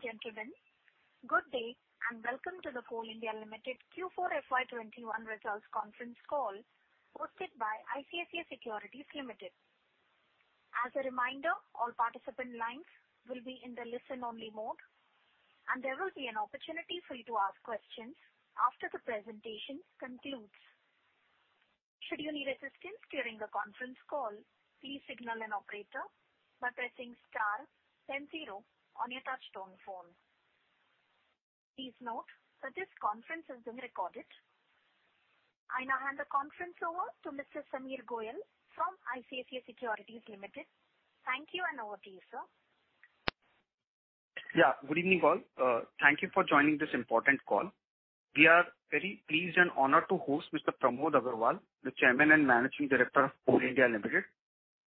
Ladies and gentlemen, good day and welcome to the Coal India Limited Q4 FY21 results conference call hosted by ICICI Securities Limited. As a reminder, all participant lines will be in the listen-only mode, and there will be an opportunity for you to ask questions after the presentation concludes. Should you need assistance during the conference call, please signal an operator by pressing star then zero on your touchtone phone. Please note that this conference is being recorded. I now hand the conference over to Mr. Sameer Goyal from ICICI Securities Limited. Thank you and over to you, sir. Yeah. Good evening all. Thank you for joining this important call. We are very pleased and honored to host Mr. Pramod Agrawal, the Chairman and Managing Director of Coal India Limited,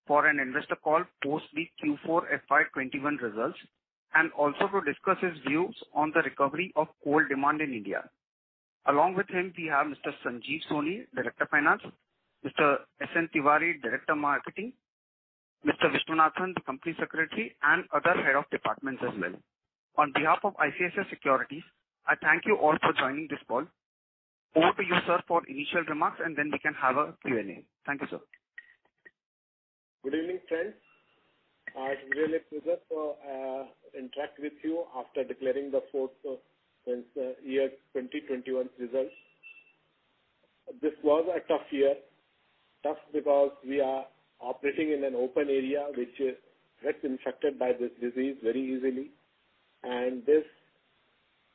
for an investor call post the Q4 FY 2021 results, and also to discuss his views on the recovery of coal demand in India. Along with him, we have Mr. Sanjiv Soni, Director of Finance, Mr. S.N. Tiwari, Director of Marketing, Mr. Viswanathan, the Company Secretary, and other head of departments as well. On behalf of ICICI Securities, I thank you all for joining this call. Over to you, sir, for initial remarks, and then we can have a Q&A. Thank you, sir. Good evening, friends. It's really a pleasure to interact with you after declaring the fourth quarter 2021 results. This was a tough year. Tough because we are operating in an open area, which gets infected by this disease very easily, and this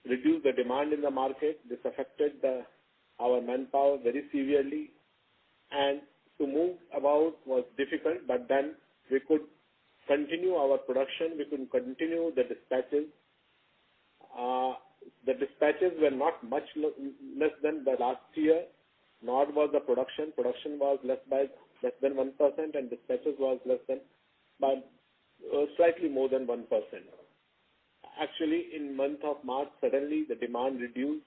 reduced the demand in the market. This affected our manpower very severely, and to move about was difficult. We could continue our production, we could continue the dispatches. The dispatches were not much less than the last year, nor was the production. Production was less by less than 1%, and dispatches was less than by slightly more than 1%. Actually, in the month of March, suddenly the demand reduced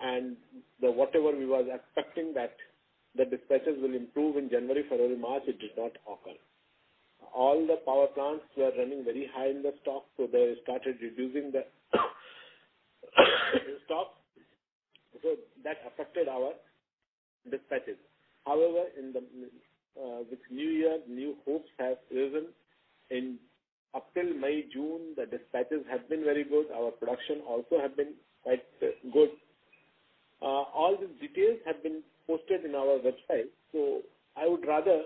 and whatever we were expecting that the dispatches will improve in January, February, March, it did not occur. All the power plants were running very high in the stock, so they started reducing the stock. That affected our dispatches. However, with new year, new hopes have risen. In April, May, June, the dispatches have been very good. Our production also has been quite good. All these details have been posted on our website. I would rather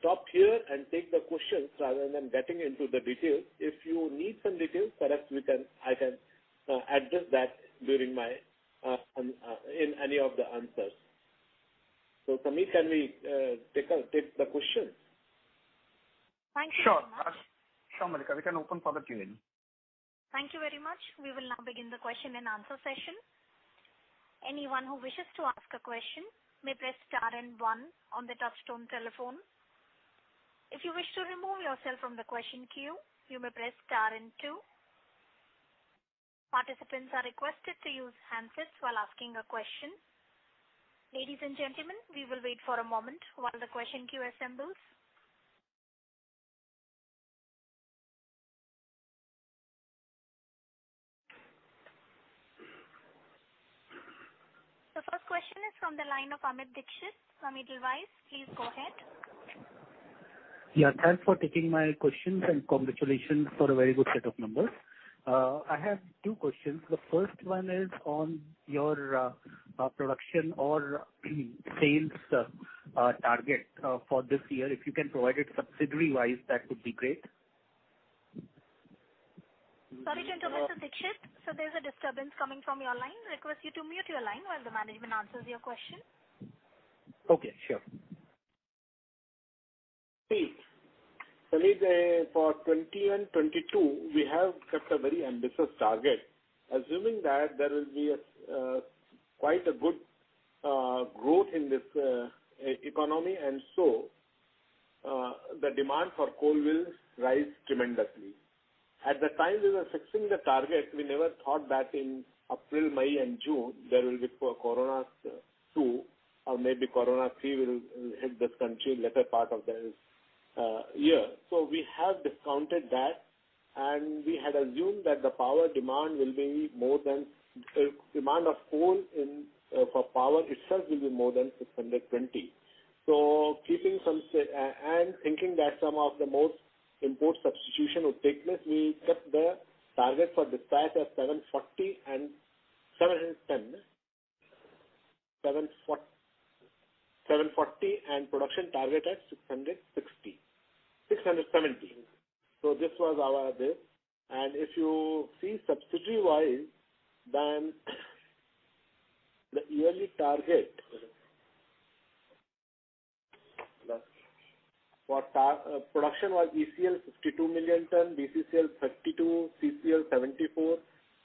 stop here and take the questions rather than getting into the details. If you need some details, perhaps I can address that in any of the answers. Sameer, can we take the questions? Thank you. Sure. Sure, Mallika. We can open for the Q&A. Thank you very much. We will now begin the question and answer session. Anyone who wishes to ask a question may press star and one on the touchtone telephone. If you wish to remove yourself from the question queue, you may press star and two. Participants are requested to use handsets while asking a question. Ladies and gentlemen, we will wait for a moment while the question queue assembles. The first question is from the line of Amit Dixit from Edelweiss, please go ahead. Yeah, thanks for taking my questions and congratulations for a very good set of numbers. I have two questions. The first one is on your production or sales target for this year. If you can provide it subsidiary-wise, that would be great. Sorry to interrupt Mr.Dixit, there's a disturbance coming from your line. I request you to mute your line while the management answers your question. Okay, sure. For 2021, 2022, we have set a very ambitious target, assuming that there will be quite a good growth in this economy, and so the demand for coal will rise tremendously. At the time we were fixing the target, we never thought that in April, May, and June, there will be corona too, or maybe corona 3 will hit the country in the latter part of the year. We have discounted that, and we had assumed that the demand of coal for power itself will be more than 620 million tons. Keeping some, and thinking that some of the most import substitution will take place, we kept the target for dispatch at 740 million tons and 740million tons, and production target at 670 million tonnes. This was our bid. If you see subsidiary-wise, then the yearly target. Production was ECL 62 million tons, BCCL 32 million tons, CCL 74 million tons,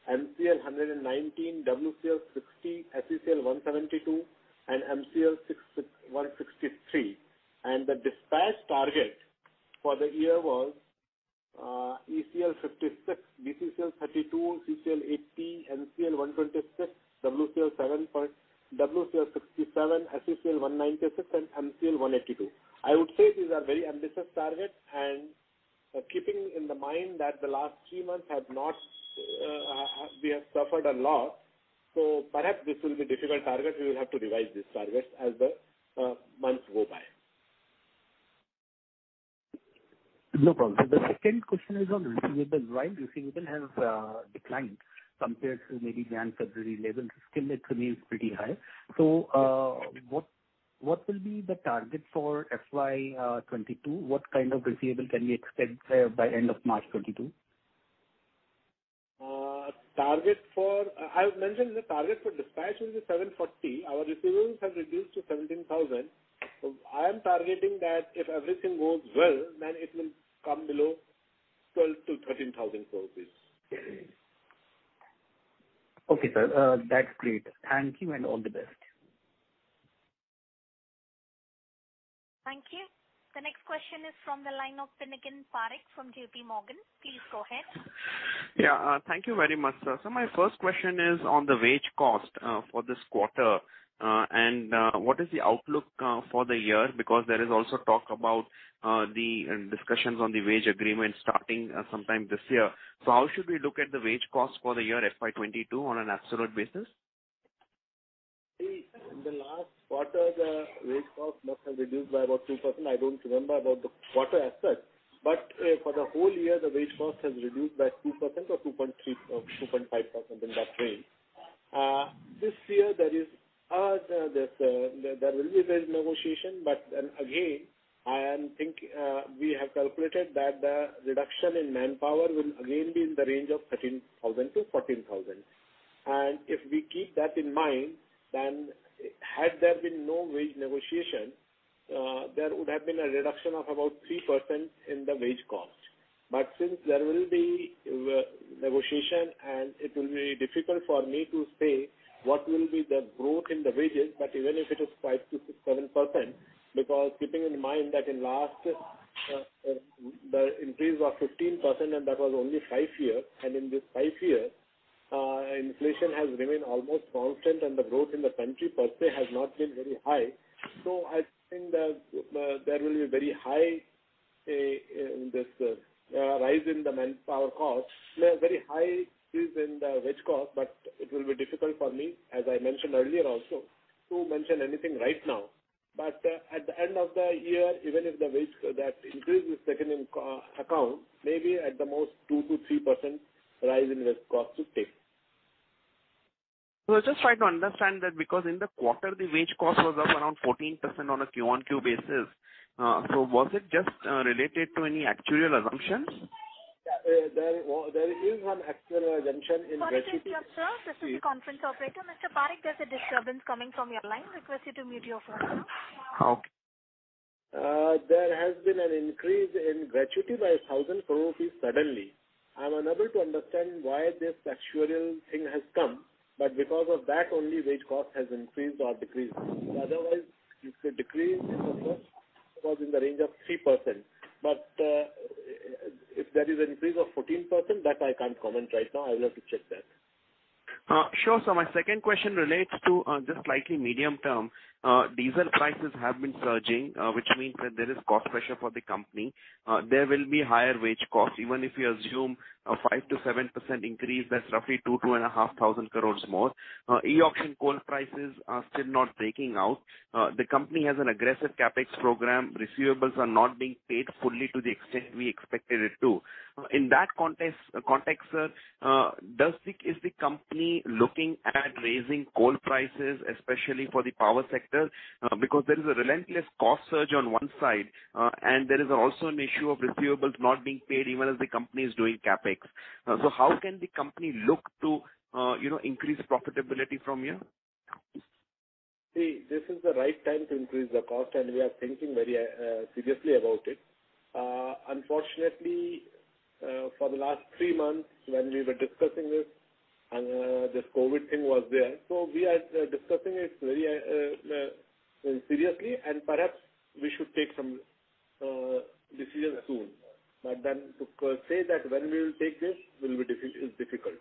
NCL 119 million tons, WCL 60 million tons, SECL 172 million tons, and NCL 163 million tons. The dispatch target for the year was ECL 56, BCCL 32, CCL 80, NCL 126, WCL 67, SECL 196, and NCL 182. I would say these are very ambitious targets. Keeping in mind that the last three months we have suffered a lot. Perhaps this will be a difficult target. We will have to revise this target as the months go by. No problem. The second question is on receivable. Why receivable has declined compared to maybe January, February levels? Still it remains pretty high. What will be the target for FY 2022? What kind of receivable can we expect by end of March 2022? I mentioned the target for dispatch is 740. Our receivables have reduced to 17,000 crores. I am targeting that if everything goes well, then it will come below 12,000 crores-13,000 crores rupees. Okay, sir. That's great. Thank you and all the best. Thank you. The next question is from the line of Pinakin Parekh from J.P. Morgan. Please go ahead. Yeah. Thank you very much, sir. My first question is on the wage cost for this quarter. What is the outlook for the year? Because there is also talk about the discussions on the wage agreement starting sometime this year. How should we look at the wage cost for the year FY22 on an absolute basis? In the last quarter, the wage cost must have reduced by about 2%. I don't remember about the quarter as such. For the whole year, the wage cost has reduced by 2% or 2.5% in that range. This year there will be wage negotiation. We have calculated that the reduction in manpower will again be in the range of 13,000 crores-14,000 crores. If we keep that in mind, then had there been no wage negotiation, there would have been a reduction of about 3% in the wage cost. Since there will be negotiation and it will be difficult for me to say what will be the growth in the wages, even if it is 5%-7%, because keeping in mind that in last the increase was 15% and that was only five years. In this five years, inflation has remained almost constant and the growth in the country per se has not been very high. I think that there will be a very high rise in the manpower cost, a very high increase in the wage cost, but it will be difficult for me, as I mentioned earlier also, to mention anything right now. At the end of the year, even if the wage that increase is taken into account, maybe at the most 2%-3% rise in wage cost would take. I'm just trying to understand that because in the quarter, the wage cost was up around 14% on a quarter-over-quarter basis. Was it just related to any actuarial assumptions? There is one actuarial assumption in- Sorry to interrupt, sir. This is conference operator. Mr. Parekh, there's a disturbance coming from your line. Request you to mute your phone. Okay. There has been an increase in gratuity by 1,000 crore rupees suddenly. I'm unable to understand why this actuarial thing has come. Because of that only wage cost has increased or decreased. Otherwise, it's a decrease in the cost in the range of 3%. If there is increase of 14%, that I can't comment right now. I'll have to check that. Sure. My second question relates to the slightly medium term. Diesel prices have been surging, which means that there is cost pressure for the company. There will be higher wage costs. Even if you assume a 5%-7% increase, that's roughly 2,000 crores-2,500 crores more. e-auction coal prices are still not breaking out. The company has an aggressive CapEx program. Receivables are not being paid fully to the extent we expected it to. In that context, sir, is the company looking at raising coal prices, especially for the power sector? There is a relentless cost surge on one side, and there is also an issue of receivables not being paid even as the company is doing CapEx. How can the company look to increase profitability from here? This is the right time to increase the cost, and we are thinking very seriously about it. Unfortunately, for the last three months, when we were discussing this COVID thing was there. We are discussing it very seriously, and perhaps we should take some decision soon. To say that when we will take this will be difficult.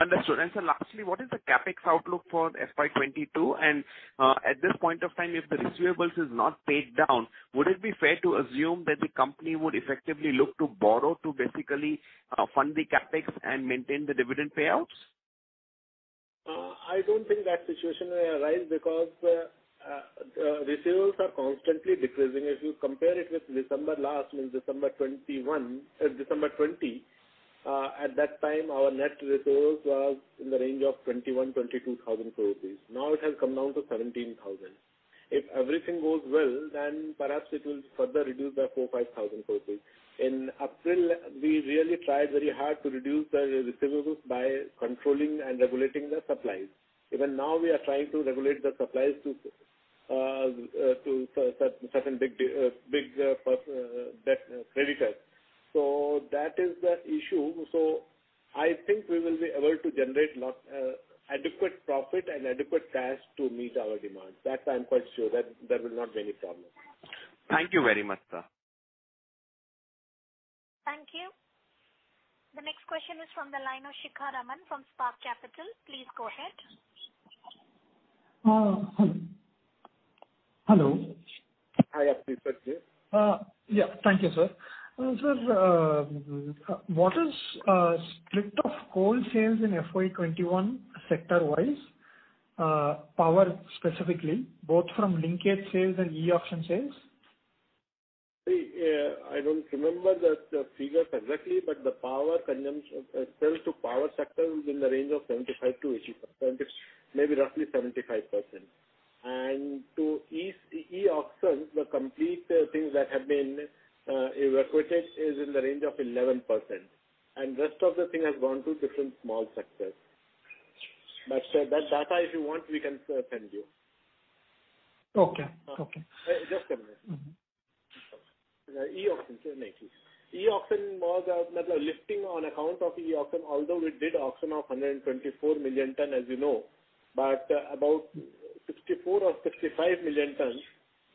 Understood. Sir, lastly, what is the CapEx outlook for FY 2022? At this point of time, if the receivables is not paid down, would it be fair to assume that the company would effectively look to borrow to basically fund the CapEx and maintain the dividend payouts? I don't think that situation will arise because the receivables are constantly decreasing. If you compare it with December last, means December 2020, at that time, our net receivables was in the range of 21,000 crores, 22,000 crores rupees. Now it has come down to 17,000. If everything goes well, perhaps it will further reduce by 4,000 crores, 5,000 crores rupees. In April, we really tried very hard to reduce the receivables by controlling and regulating the supplies. Even now we are trying to regulate the supplies to certain big creditors. That is the issue. I think we will be able to generate adequate profit and adequate cash to meet our demands. That I'm quite sure. That is not very common. Thank you very much, sir. Thank you. The next question is from the line of Shikha Raman from Spark Capital. Please go ahead. Hello. Hi. Yeah. Thank you, sir. Sir, what is split of coal sales in FY 2021 sector-wise, power specifically, both from linkage sales and e-auction sales? I don't remember the figures exactly, the sales to power sector is in the range of 75%-80%, maybe roughly 75%. To e-auction, the complete things that have been evacuated is in the range of 11%, rest of the thing has gone to different small sectors. That data, if you want, we can still send you. Okay. Just a minute. e-auction, sorry. Lifting on account of e-auction, although we did auction of 124 million tons, as you know, but about 64 or 65 million tons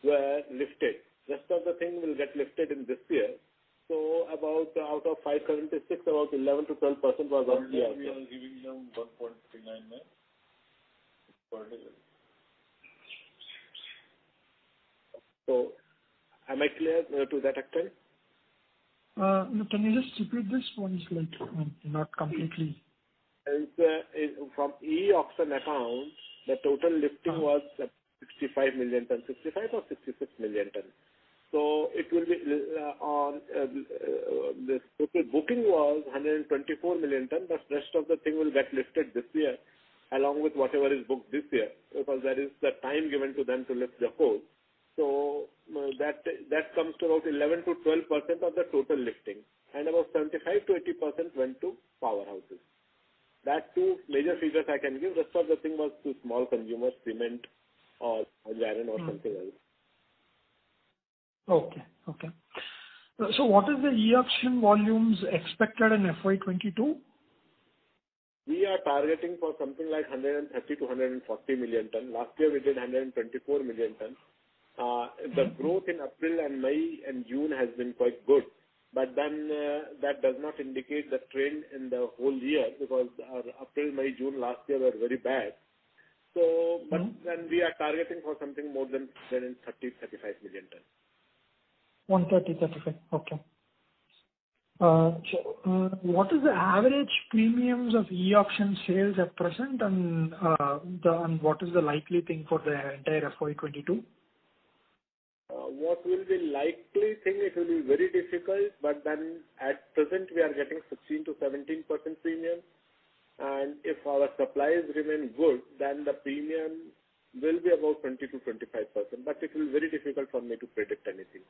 were lifted. Rest of the thing will get lifted in this year. About out of 560 million tons, about 11%-12% was on e-auction. Am I clear to that extent? No. Can you just repeat this one? It is not clear. From e-auction account, the total lifting was 65 million tons, 65 or 66 million tons. The booking was 124 million tons, but rest of the thing will get lifted this year, along with whatever is booked this year. That is the time given to them to lift the coal. That comes to about 11%-12% of the total lifting. About 75%-80% went to powerhouses. That's two major figures I can give. The rest of the thing was to small consumers, cement or aluminum or something else. Okay. what is the e-auction volumes expected in FY 2022? We are targeting for something like 130 million-140 million ton. Last year, we did 124 million ton. The growth in April and May and June has been quite good. That does not indicate the trend in the whole year, because April, May, June last year were very bad. We are targeting for something more than 130, 135 million ton. 130, 135 million tons. Okay. What is the average premiums of e-auction sales at present, and what is the likely thing for the entire FY 2022? What will be likely thing, it will be very difficult, but then at present, we are getting 16%-17% premium. If our supplies remain good, the premium will be about 20%-25%. It will be very difficult for me to predict anything.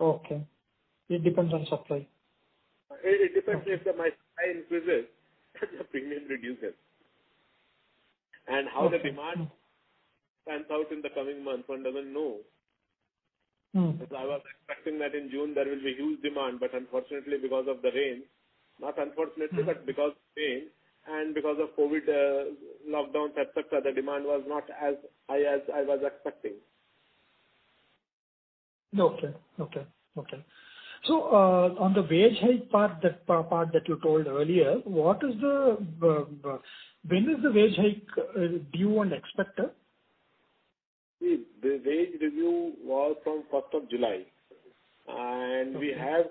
Okay. It depends on supply. It depends. If the supply increases, then the premium reduces. How the demand pans out in the coming months, one doesn't know. I was expecting that in June there will be huge demand, but unfortunately, because of the rain, not unfortunately, but because of rain and because of COVID lockdown, et cetera, the demand was not as high as I was expecting. Okay. On the wage hike part, that part that you told earlier, when is the wage hike due and expected? See, the wage review was from 1st of July, and we have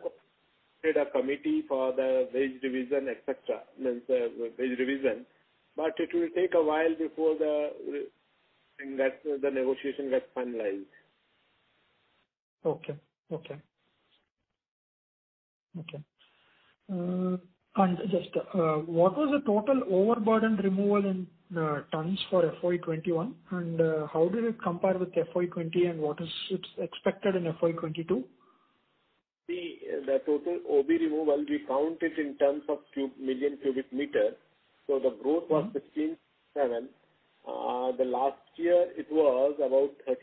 created a committee for the wage revision, et cetera. It will take a while before the negotiation gets finalized. Okay. Just, what was the total overburden removal in tons for FY 2021, and how did it compare with FY 2020, and what is expected in FY 2022? The total OB removal, we count it in terms of million cubic meter. The growth was 15.7%. The last year it was about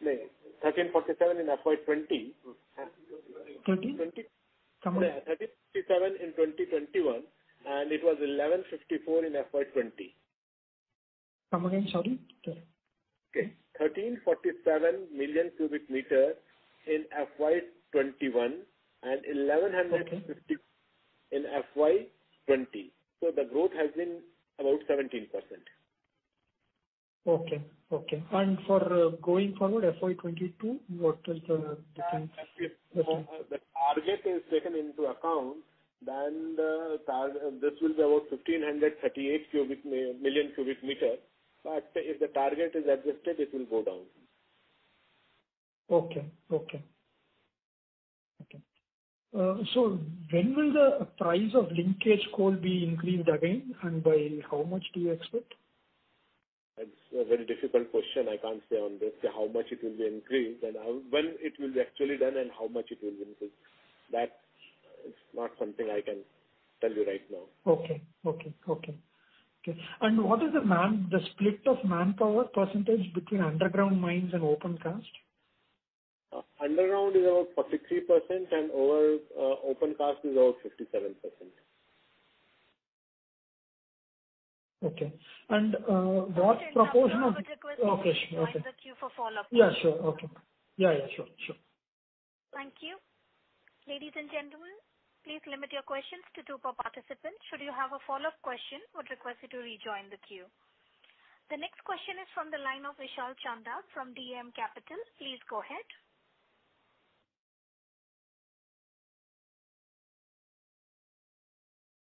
1,300. 1,347 in FY 2020. 20? 1,347 in 2021, and it was 1,164 in FY 2020. Again, sorry. Okay. 1,347 million cubic meter in FY 2021 and 1,164 in FY 2020. The growth has been about 17%. Okay. For going forward, FY 2022, what is the? If the target is taken into account, this is about 1,338 million cubic meters. If the target is adjusted, it will go down. Okay. When will the price of linkage coal be increased again, and by how much do you expect? That's a very difficult question. I can't say on this how much it will increase and when it will be actually done and how much it will increase. That is not something I can tell you right now. What is the split of manpower percentage between underground mines and open cast? Underground is about 60%, and open cast is about 57%. Okay. What proportion of? Sorry to interrupt sir. Okay. But request you to join the queue for follow-up questions. Yeah, sure. Okay. Yeah. Sure. Thank you. Ladies and gentlemen, please limit your questions to two per participant. Should you have a follow-up question, we'll request you to rejoin the queue. The next question is from the line of Vishal Chandak from DAM Capital. Please go ahead.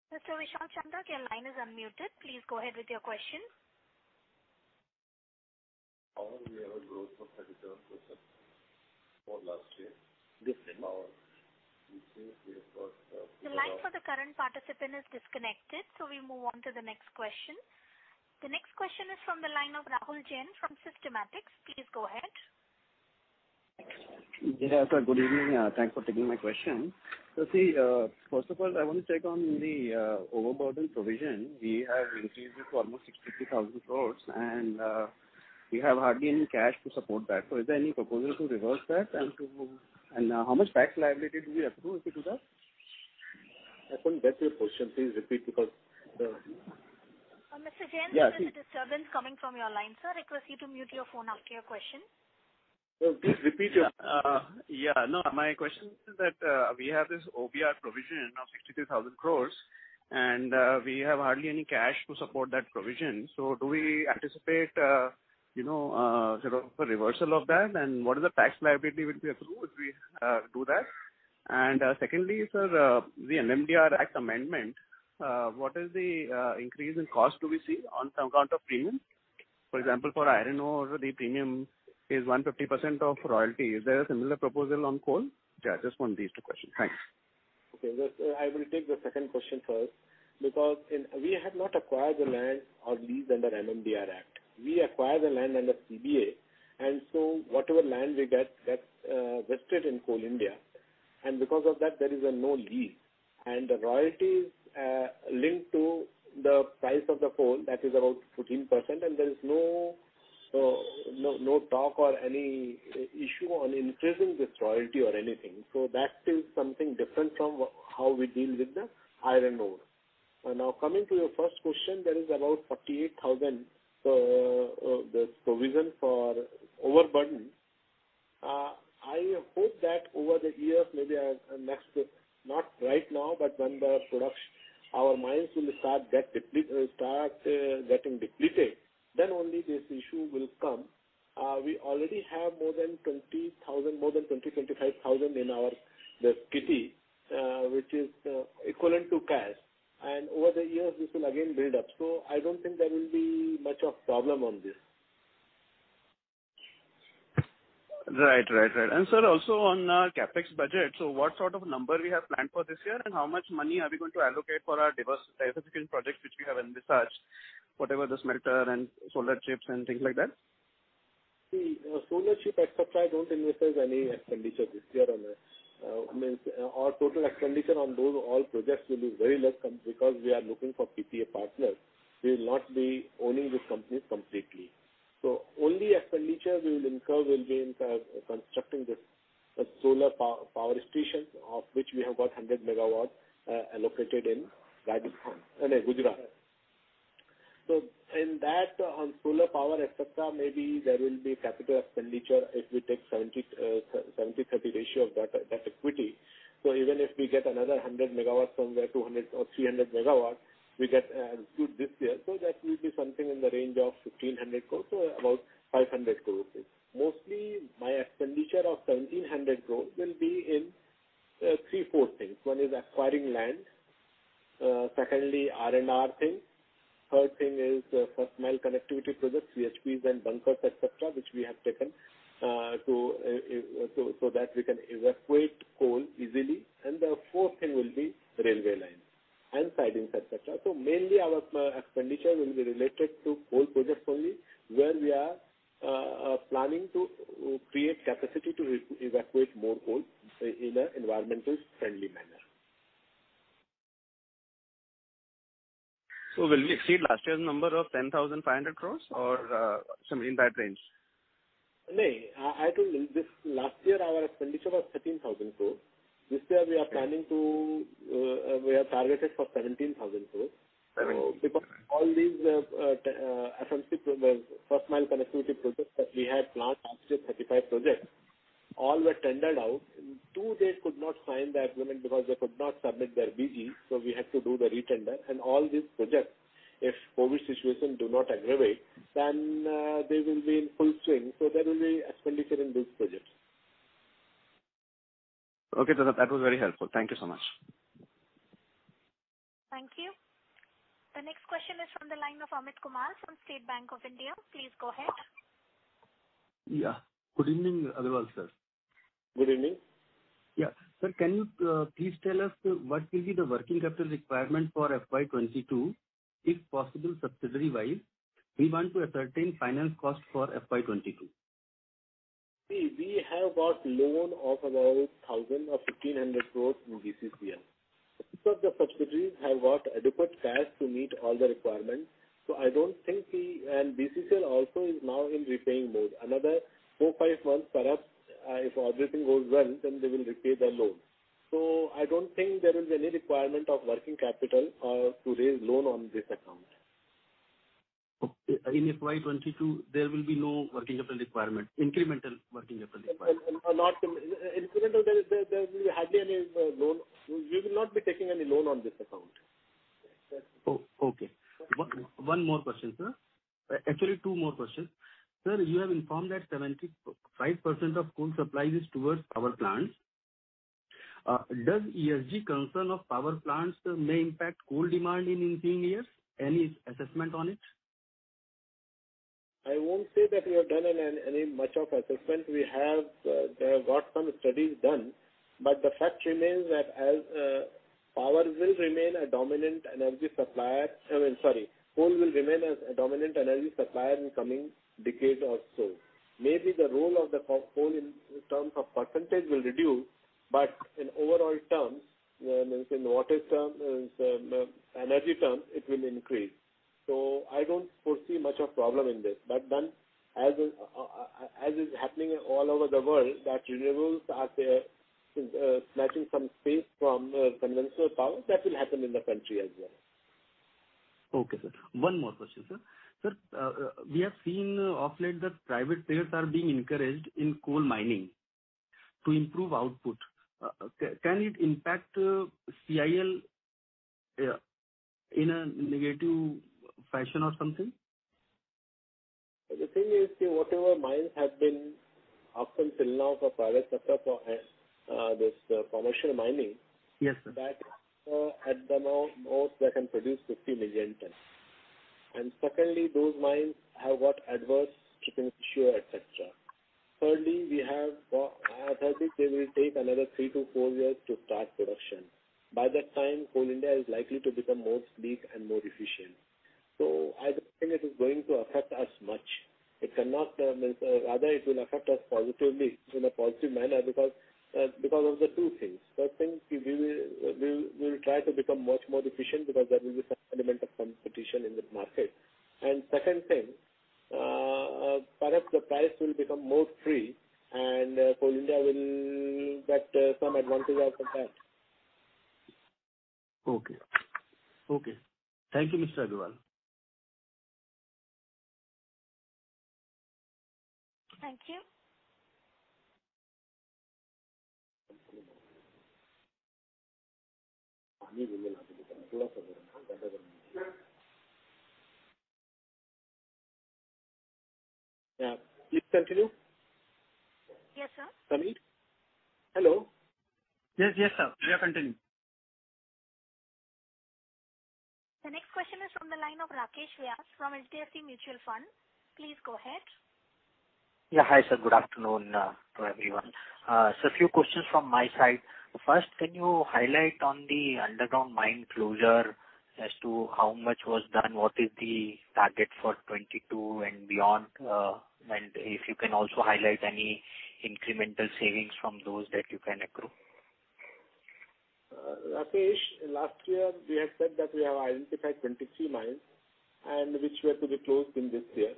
Mr. Vishal Chandak, your line is unmuted. Please go ahead with your question. The line for the current participant is disconnected, so we move on to the next question. The next question is from the line of Rahul Jain from Systematix. Please go ahead. Yeah. Good evening. Thanks for taking my question. First of all, I want to check on the overburden provision. We are receiving almost 63,000 crores, we have hardly any cash to support that. Is there any proposal to reverse that and how much tax liability do we accrue because of that? I couldn't get your question. Please repeat because the- Mr. Jain, there is a disturbance coming from your line, sir. I request you to mute your phone after your question. Please repeat. My question is that we have this OBR provision of 63,000 crore, we have hardly any cash to support that provision. Do we anticipate the reversal of that, what is the tax liability we'll accrue if we do that? Secondly, sir, the MMDR Act amendment, what is the increase in cost do we see on some count of premium? For example, for iron ore, the premium is 150% of royalty. Is there a similar proposal on coal? I just want these two questions. Thanks. Okay. I will take the second question first because we have not acquired the land or lease under MMDR Act. We acquire the land under CBA, whatever land we get, gets vested in Coal India. Because of that, there is no lease. The royalty is linked to the price of the coal, that is around 14%, there's no talk or any issue on increasing this royalty or anything. That is something different from how we deal with the iron ore. Coming to your first question, there is around 48,000, the provision for overburden. I hope that over the years, maybe not right now but when our mines will start getting depleted, then only this issue will come. We already have more than 20,000, more than 25,000 in our kitty which is equivalent to cash, over the years, this will again build up. I don't think that will be much of problem on this. Right. Sir, also on our CapEx budget, what sort of number we have planned for this year, and how much money are we going to allocate for our diversification project which we have envisaged, whatever the smelter and solar CHP and things like that? Solar, CHP, et cetera, I don't think there's any expenditure this year on that. I mean, our total expenditure on those all projects will be very less because we are looking for PPA partners. We will not be owning the company completely. Only expenditure we will incur will be in constructing the solar power station of which we have 100 MW allocated in Gujarat. In that, on solar power, et cetera, maybe there will be CapEx if we take 70/30 ratio of that equity. Even if we get another 100 MW from there, 200 MW or 300 MW we get this year. That will be something in the range of 1,500 crore, about 500 crore. Mostly, my expenditure of 1,700 crore will be in three, four things. One is acquiring land. Secondly, R&R thing. Third thing is first mile connectivity to the CHPs and bunkers, et cetera, which we have taken, so that we can evacuate coal easily. The fourth thing will be railway lines and sidings, et cetera. Mainly our expenditure will be related to coal projects only, where we are planning to create capacity to evacuate more coal in an environmental friendly manner. Will we achieve last year's number of 10,500 crore or some impact there? No. I told you, last year our expenditure was 13,000 crore. This year we are targeted for 17,000 crore because all these first mile connectivity projects that we had planned, 35 projects, all were tendered out. Two, they could not sign the agreement because they could not submit their BG. We had to do the re-tender. All these projects, if COVID situation does not aggravate, then they will be in full swing. There will be expenditure in those projects. Okay. That was very helpful. Thank you so much. Thank you. The next question is from the line of Amit Kumar from State Bank of India. Please go ahead. Yeah. Good evening, Agrawal sir. Good evening. Yeah. Sir, can you please tell us what will be the working capital requirement for FY 2022, if possible, subsidiary-wise? We want to ascertain finance cost for FY 2022. We have got loan of around 1,000 or 1,500 crores in BCCL. Two of the subsidiaries have got adequate cash to meet all the requirements. BCCL also is now in repaying mode. Another four, five months perhaps, if everything goes well, then they will repay their loans. I don't think there is any requirement of working capital to raise loan on this account. In FY 2022, there will be no working capital requirement, incremental working capital requirement. Incremental, again, we will not be taking any loan on this account. Okay. One more question, sir. Actually, two more questions. Sir, you have informed that 75% of coal supply is towards power plants. Does ESG concern of power plants may impact coal demand in ensuing years? Any assessment on it? I won't say that we have done much of assessment. We have got some studies done, the fact remains that coal will remain a dominant energy supplier in coming decades or so. Maybe the role of the coal in terms of percentage will reduce, in overall terms, in water terms, in energy terms, it will increase. I don't foresee much of problem in this. As is happening all over the world, that renewables are snatching some space from conventional power, that will happen in the country as well. Okay, sir. One more question, sir. Sir, we have seen of late that private players are being encouraged in coal mining to improve output. Can it impact CIL in a negative fashion or something? The thing is that whatever mines have been up until now for private sector for commercial mining Yes, sir that at the moment can produce 50 million tons. Secondly, those mines have got adverse strip ratio, et cetera. Thirdly, I believe they will take another three to four years to start production. By that time, Coal India is likely to become more sleek and more efficient. I don't think it is going to affect us much. Rather, it will affect us positively, in a positive manner because of the two things. First thing, we will try to become much more efficient because there will be some element of competition in the market. Second thing, perhaps the price will become more free and Coal India will get some advantage out of that. Okay. Thank you, Mr. Agarwal. Thank you. Yes, sir. Sameer? Hello? Yes, sir. We are continuing. The next question is from the line of Rakesh Arya from SBI Mutual Fund. Please go ahead. Yeah, hi, sir. Good afternoon to everyone. A few questions from my side. First, can you highlight on the underground mine closure as to how much was done, what is the target for 2022 and beyond? If you can also highlight any incremental savings from those that you can accrue. Rakesh, last year we had said that we have identified 23 mines, and which were to be closed in this year.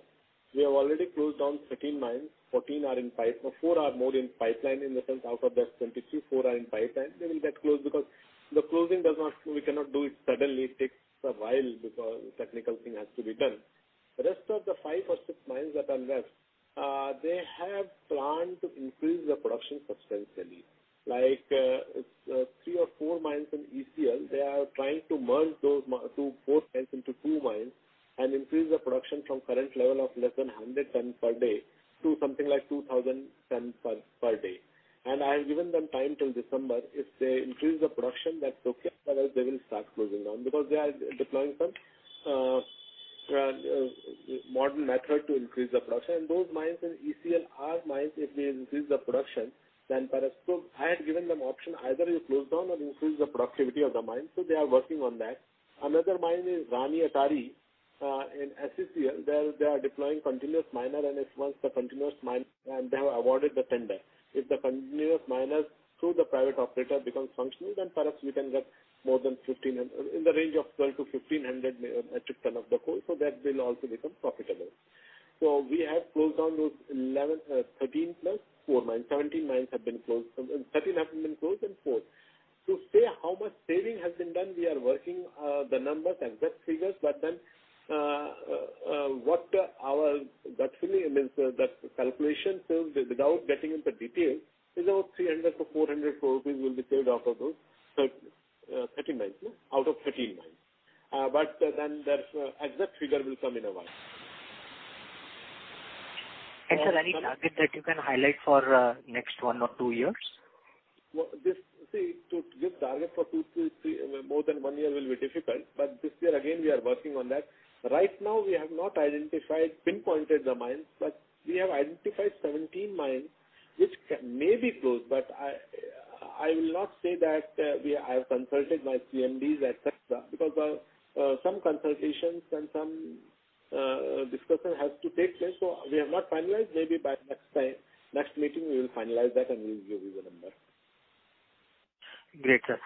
We have already closed down 13 mines, four are more in pipeline, in the sense, out of that 23, 4 are in pipeline. They will get closed because the closing, we cannot do it suddenly. It takes a while because technical thing has to return. Rest of the five or six mines that are left, they have planned to increase the production substantially. Like three or four mines in ECL, they are trying to merge those four mines into two mines and increase the production from current level of less than 100 tons per day to something like 2,000 tons per day. I have given them time till December. If they increase the production, that's okay. Otherwise, they will start closing down, because they are deploying some modern method to increase the production. Those mines in ECL are mines, if they increase the production, then perhaps I have given them option, either you close down or increase the productivity of the mine. They are working on that. Another mine is Rani Atari in SECL, where they are deploying continuous miner and they have awarded the tender. If the continuous miner through the private operator becomes functional, then perhaps we can get in the range of 1,200 to 1,500 metric tons of the coal, that will also become profitable. We have closed down those 13 plus 4 mines. 13 have been closed and 4. To say how much saving has been done, we are working the numbers and exact figures. That calculation says that without getting into detail, about 300 crores-400 crores rupees will be saved out of those 13 mines. The exact figure will come in a while. Any target that you can highlight for next one or two years? To give target for more than 1 year will be difficult, but this year again, we are working on that. Right now, we have not pinpointed the mines, but we have identified 17 mines which may be closed. I will not say that. I have consulted my CMD, et cetera, because some consultations and some discussion has to take place, so we have not finalized. Maybe by next meeting, we will finalize that and we'll give you the number. Great, sir.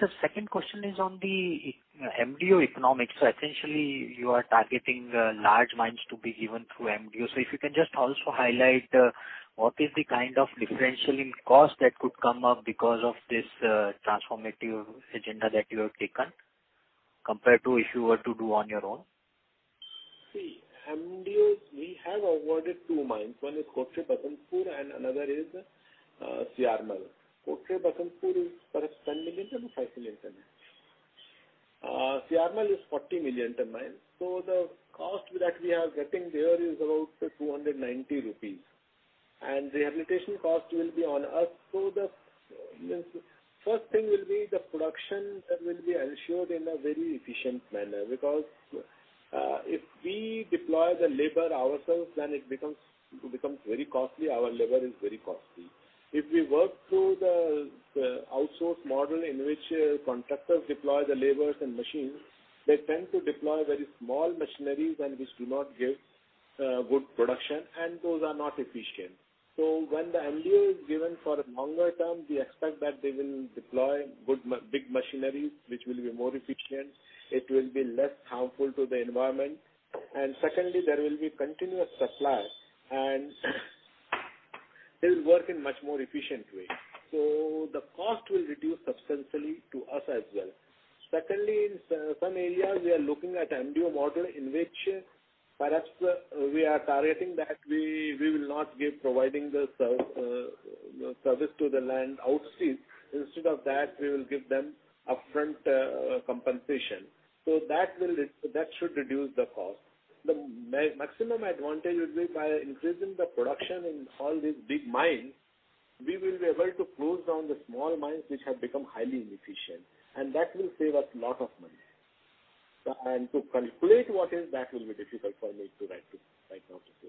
Sir, second question is on the MDO economics. Essentially, you are targeting large mines to be given through MDO. If you can just also highlight what is the kind of differential in cost that could come up because of this transformative agenda that you have taken compared to if you were to do on your own? MDOs, we have awarded two mines. One is Kotre Basantpur-Pachmo, and another is Siarmal. Kotre Basantpur-Pachmo is perhaps 10 million tons, 5 million tons each. Siarmal is 14 million tons mine. The cost that we are getting there is about 290 rupees, and rehabilitation cost will be on us. The first thing will be the production that will be ensured in a very efficient manner, because if we deploy the labor ourselves, then it becomes very costly. Our labor is very costly. If we work through the outsource model in which contractors deploy the labors and machines, they tend to deploy very small machineries and which do not give good production, and those are not efficient. When the MDO is given for a longer term, we expect that they will deploy big machineries, which will be more efficient, it will be less harmful to the environment. Secondly, there will be continuous supply, and they'll work in much more efficient way. The cost will reduce substantially to us as well. Secondly, in some areas, we are looking at MDO model in which perhaps we are targeting that we will not be providing the service to the land outright. Instead of that, we will give them upfront compensation. That should reduce the cost. The maximum advantage will be by increasing the production in all these big mines, we will be able to close down the small mines which have become highly inefficient, and that will save us lot of money. To calculate what is that will be difficult for me to right now say.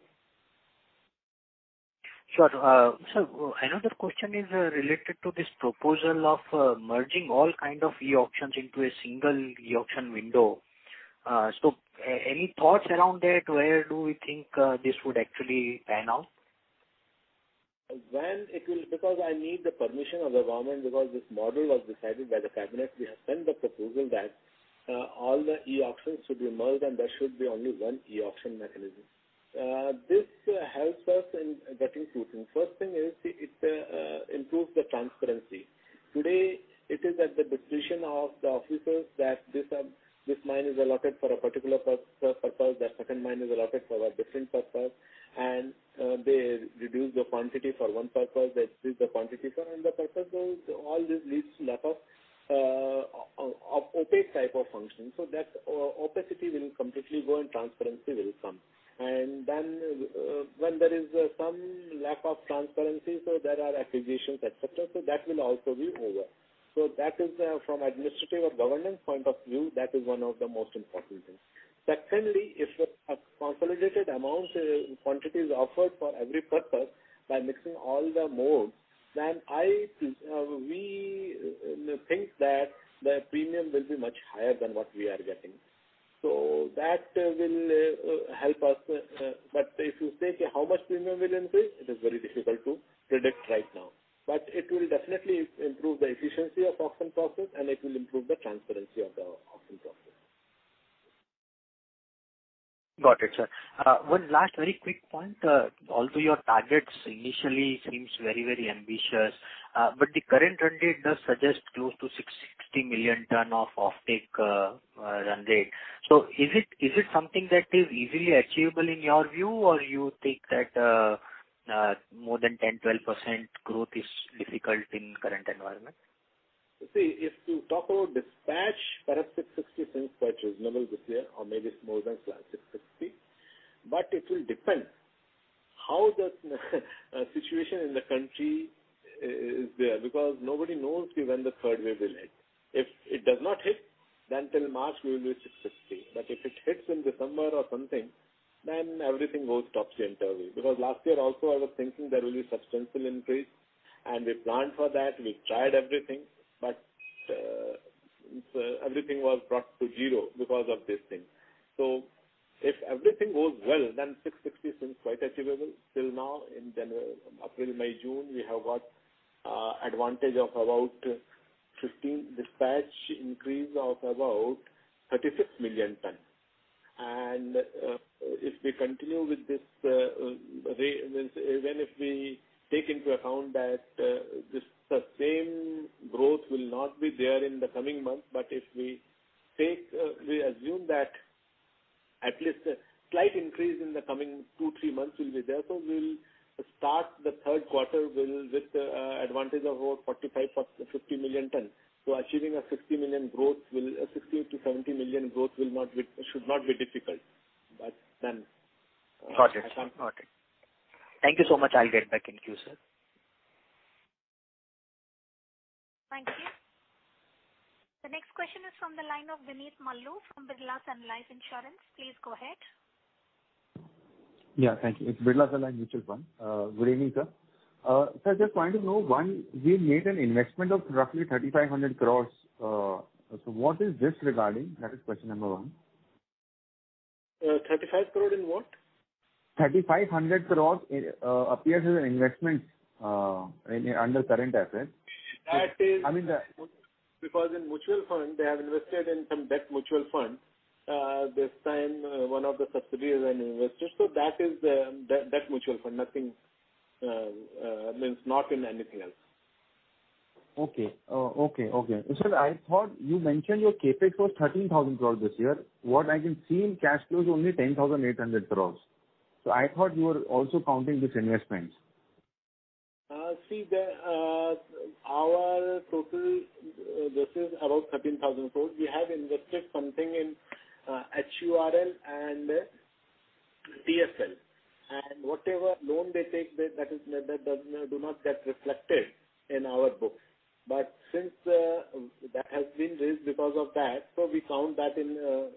Sure. Sir, another question is related to this proposal of merging all kind of e-auctions into a single e-auction window. Any thoughts around that, where do we think this would actually pan out? Well, it will be because I need the permission of the government because this model was decided by the cabinet. We have sent the proposal that all the e-auctions should be merged and there should be only one e-auction mechanism. This helps us in getting two things. First thing is, it improves the transparency. Today, it is at the decision of the officers that this mine is allotted for a particular purpose, that second mine is allotted for a different purpose, and they reduce the quantity for one purpose, they increase the quantity for another purpose. All this leads to lack of opaque type of functioning. That opacity will completely go and transparency will come. When there is some lack of transparency, there are accusations, et cetera, that will also be over. That is from administrative or governance point of view, that is one of the most important things. Secondly, if a consolidated amount quantity is offered for every purpose by mixing all the modes, then we think that the premium will be much higher than what we are getting. That will help us. If you say how much premium will increase, it is very difficult to predict right now. It will definitely improve the efficiency of auction process and it will improve the transparency of the auction process. Got it, sir. One last very quick point. Although your targets initially seems very ambitious, the current run rate does suggest close to 660 million tons of offtake run rate. Is it something that is easily achievable in your view, or you think that more than 10%-12% growth is difficult in current environment? See, if you talk about dispatch, perhaps the 660 seems like achievable this year or maybe it's more than 660. It will depend how the situation in the country is there, because nobody knows when the third wave will hit. If it does not hit, then till March we will be 660. If it hits in December or something, then everything goes topsy-turvy. Last year also I was thinking there will be substantial increase, and we planned for that, we tried everything, but everything was brought to zero because of this thing. If everything goes well, then 660 seems quite achievable. Till now in April, May, June, we have got advantage of about 15 dispatch increase of about 36 million tons. If we continue with this rate, even if we take into account that the same growth will not be there in the coming months. If we assume that at least a slight increase in the coming two, three months will be there. We'll start the third quarter with advantage of about 45, 50 million tons. Achieving a 60 million growth, 60-70 million growth should not be difficult. Got it, sir. Thank you so much. I'll get back in queue, sir. Thank you. The next question is from the line of Vineet Maloo from Birla Sun Life Insurance. Please go ahead. Yeah, thank you. It's Birla Sun Mutual Fund. Vineet, sir. Sir, just wanting to know, one, we made an investment of roughly 3,500 crores. What is this regarding? That is question number one. 35 crore in what? 3,500 crore appears as an investment under current asset. That is because in mutual fund, they have invested in some debt mutual fund. This time, one of the subsidiaries has invested. That is the debt mutual fund, nothing, means not in anything else. Okay. I thought you mentioned your CapEx was 13,000 crore this year. What I can see in cash flow is only 10,800 crore. I thought you were also counting these investments. Our total this is around 13,000 crores. We have invested something in HURL and TFL. Whatever loan they take, that does not get reflected in our books. Since that has been raised because of that, we count that in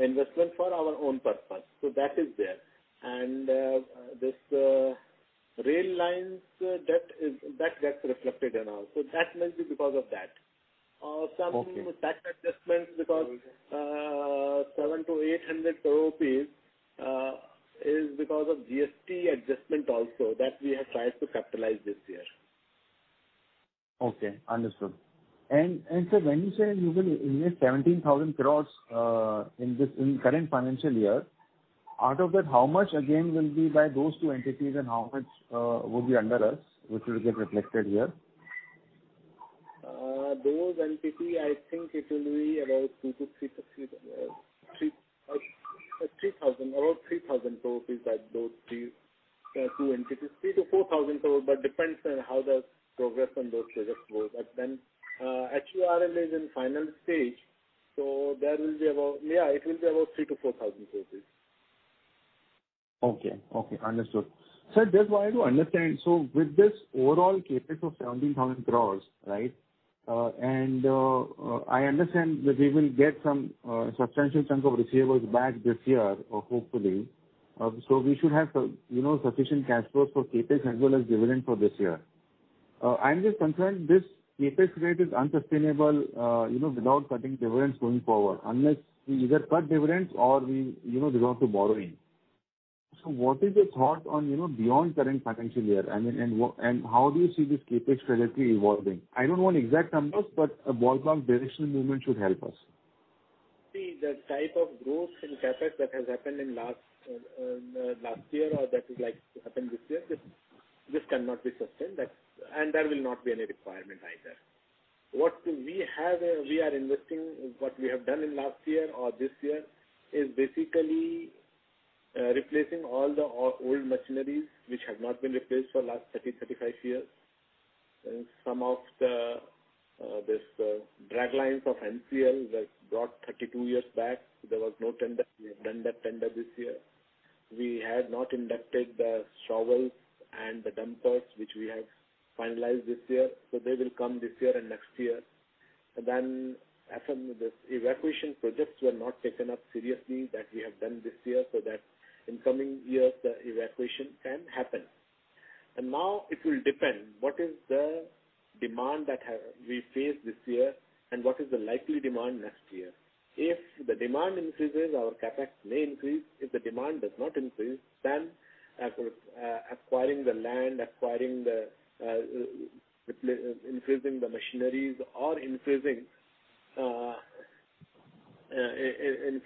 investment for our own purpose. That is there. This rail lines debt, that gets reflected in our books. That must be because of that. Okay. Something with that adjustment because 700 crore-800 crore rupees is because of GST adjustment also that we have tried to capitalize this year. Okay, understood. Sir, when you say you will invest 17,000 crore in current financial year, out of that, how much again will be by those two entities and how much will be under us, which will get reflected here? Those entity, I think it will be around 3,000. About 3,000 crores by those two entities. 3,000 crores-4,000 crores. Depends on how that progress on those projects goes. HURL is in final stage. It will be about 3,000 crores-4,000 crores. Okay. Understood. Sir, just wanted to understand, with this overall CapEx of 17,000 crore. I understand that we will get some substantial chunk of receivables back this year, hopefully. We should have sufficient cash flow for CapEx as well as dividend for this year. I'm just concerned this CapEx rate is unsustainable without cutting dividends going forward, unless we either cut dividends or we resort to borrowing. What is your thought on beyond current financial year? How do you see this CapEx strategy evolving? I don't want exact numbers, but a ballpark directional movement should help us. See, the type of growth in CapEx that has happened in last year or that is likely to happen this year, this cannot be sustained. There will not be any requirement either. What we are investing, what we have done in last year or this year is basically replacing all the old machineries which have not been replaced for the last 30, 35 years. Some of this draglines of NCL that got 32 years back, there was no tender. We have done that tender this year. We had not inducted the shovels and the dumpers, which we have finalized this year. They will come this year and next year. Some of the evacuation projects were not taken up seriously that we have done this year, so that in coming years, the evacuation can happen. Now it will depend what is the demand that we face this year and what is the likely demand next year. If the demand increases, our CapEx may increase. If the demand does not increase, then acquiring the land, increasing the machineries or increasing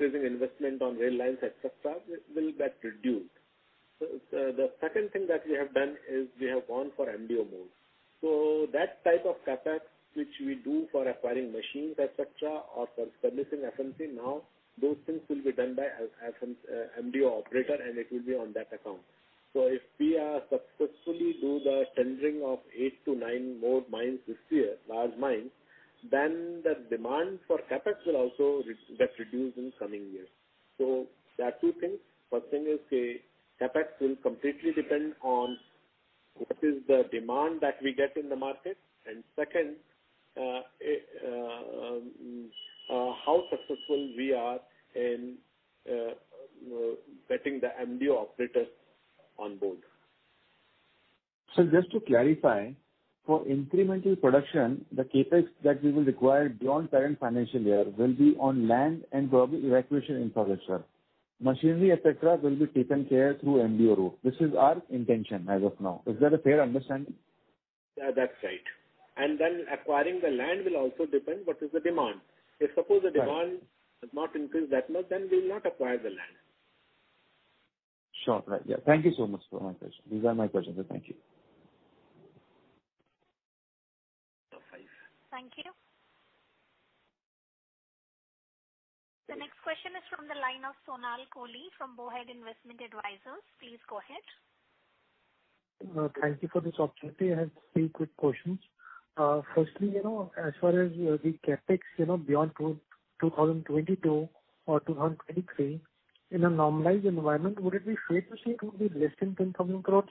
investment on rail lines, et cetera, will get reduced. The second thing that we have done is we have gone for MDO mode. That type of CapEx which we do for acquiring machines, et cetera, or submitting FMC now, those things will be done by MDO operator and it will be on that account. If we successfully do the tendering of eight to nine more mines this year, large mines, then the demand for CapEx will also get reduced in coming years. There are two things. First thing is the CapEx will completely depend on what is the demand that we get in the market. Second, how successful we are in getting the MDO operators on board. Sir, just to clarify, for incremental production, the CapEx that we will require beyond current financial year will be on land and probably evacuation infrastructure. Machinery, et cetera, will be taken care through MDO route. This is our intention as of now. Is that a fair understanding? Yeah, that's right. Acquiring the land will also depend what is the demand. If suppose the demand does not increase that much, then we will not acquire the land. Sure. Thank you so much for your answers. These are my questions. Thank you. Thank you. The next question is from the line of Sonaal Kohli from Bowhead Investment Advisors. Please go ahead. Thank you for this opportunity. I have three quick questions. Firstly, as far as the CapEx, beyond 2022 or 2023, in a normalized environment, would it be fair to say it will be less than 10,000 crore?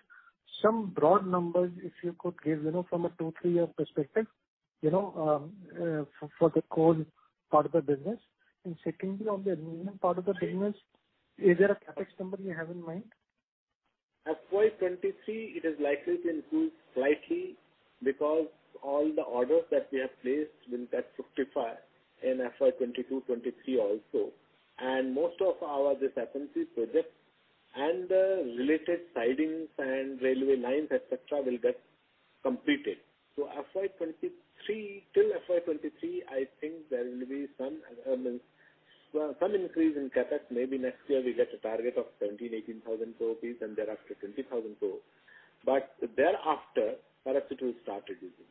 Some broad numbers, if you could give from a two, three-year perspective, for the coal part of the business. Secondly, on the aluminum part of the business, is there a CapEx number you have in mind? FY 2023, it is likely to improve slightly because all the orders that we have placed will get certified in FY 2022, 23 also. Most of our FMC projects and the related sidings and railway lines, et cetera, will get completed. Till FY 2023, I think there will be some increase in CapEx, maybe next year we get a target of 17,000 crore, 18,000 crore rupees and thereafter 20,000 crore. Thereafter, perhaps it will start reducing.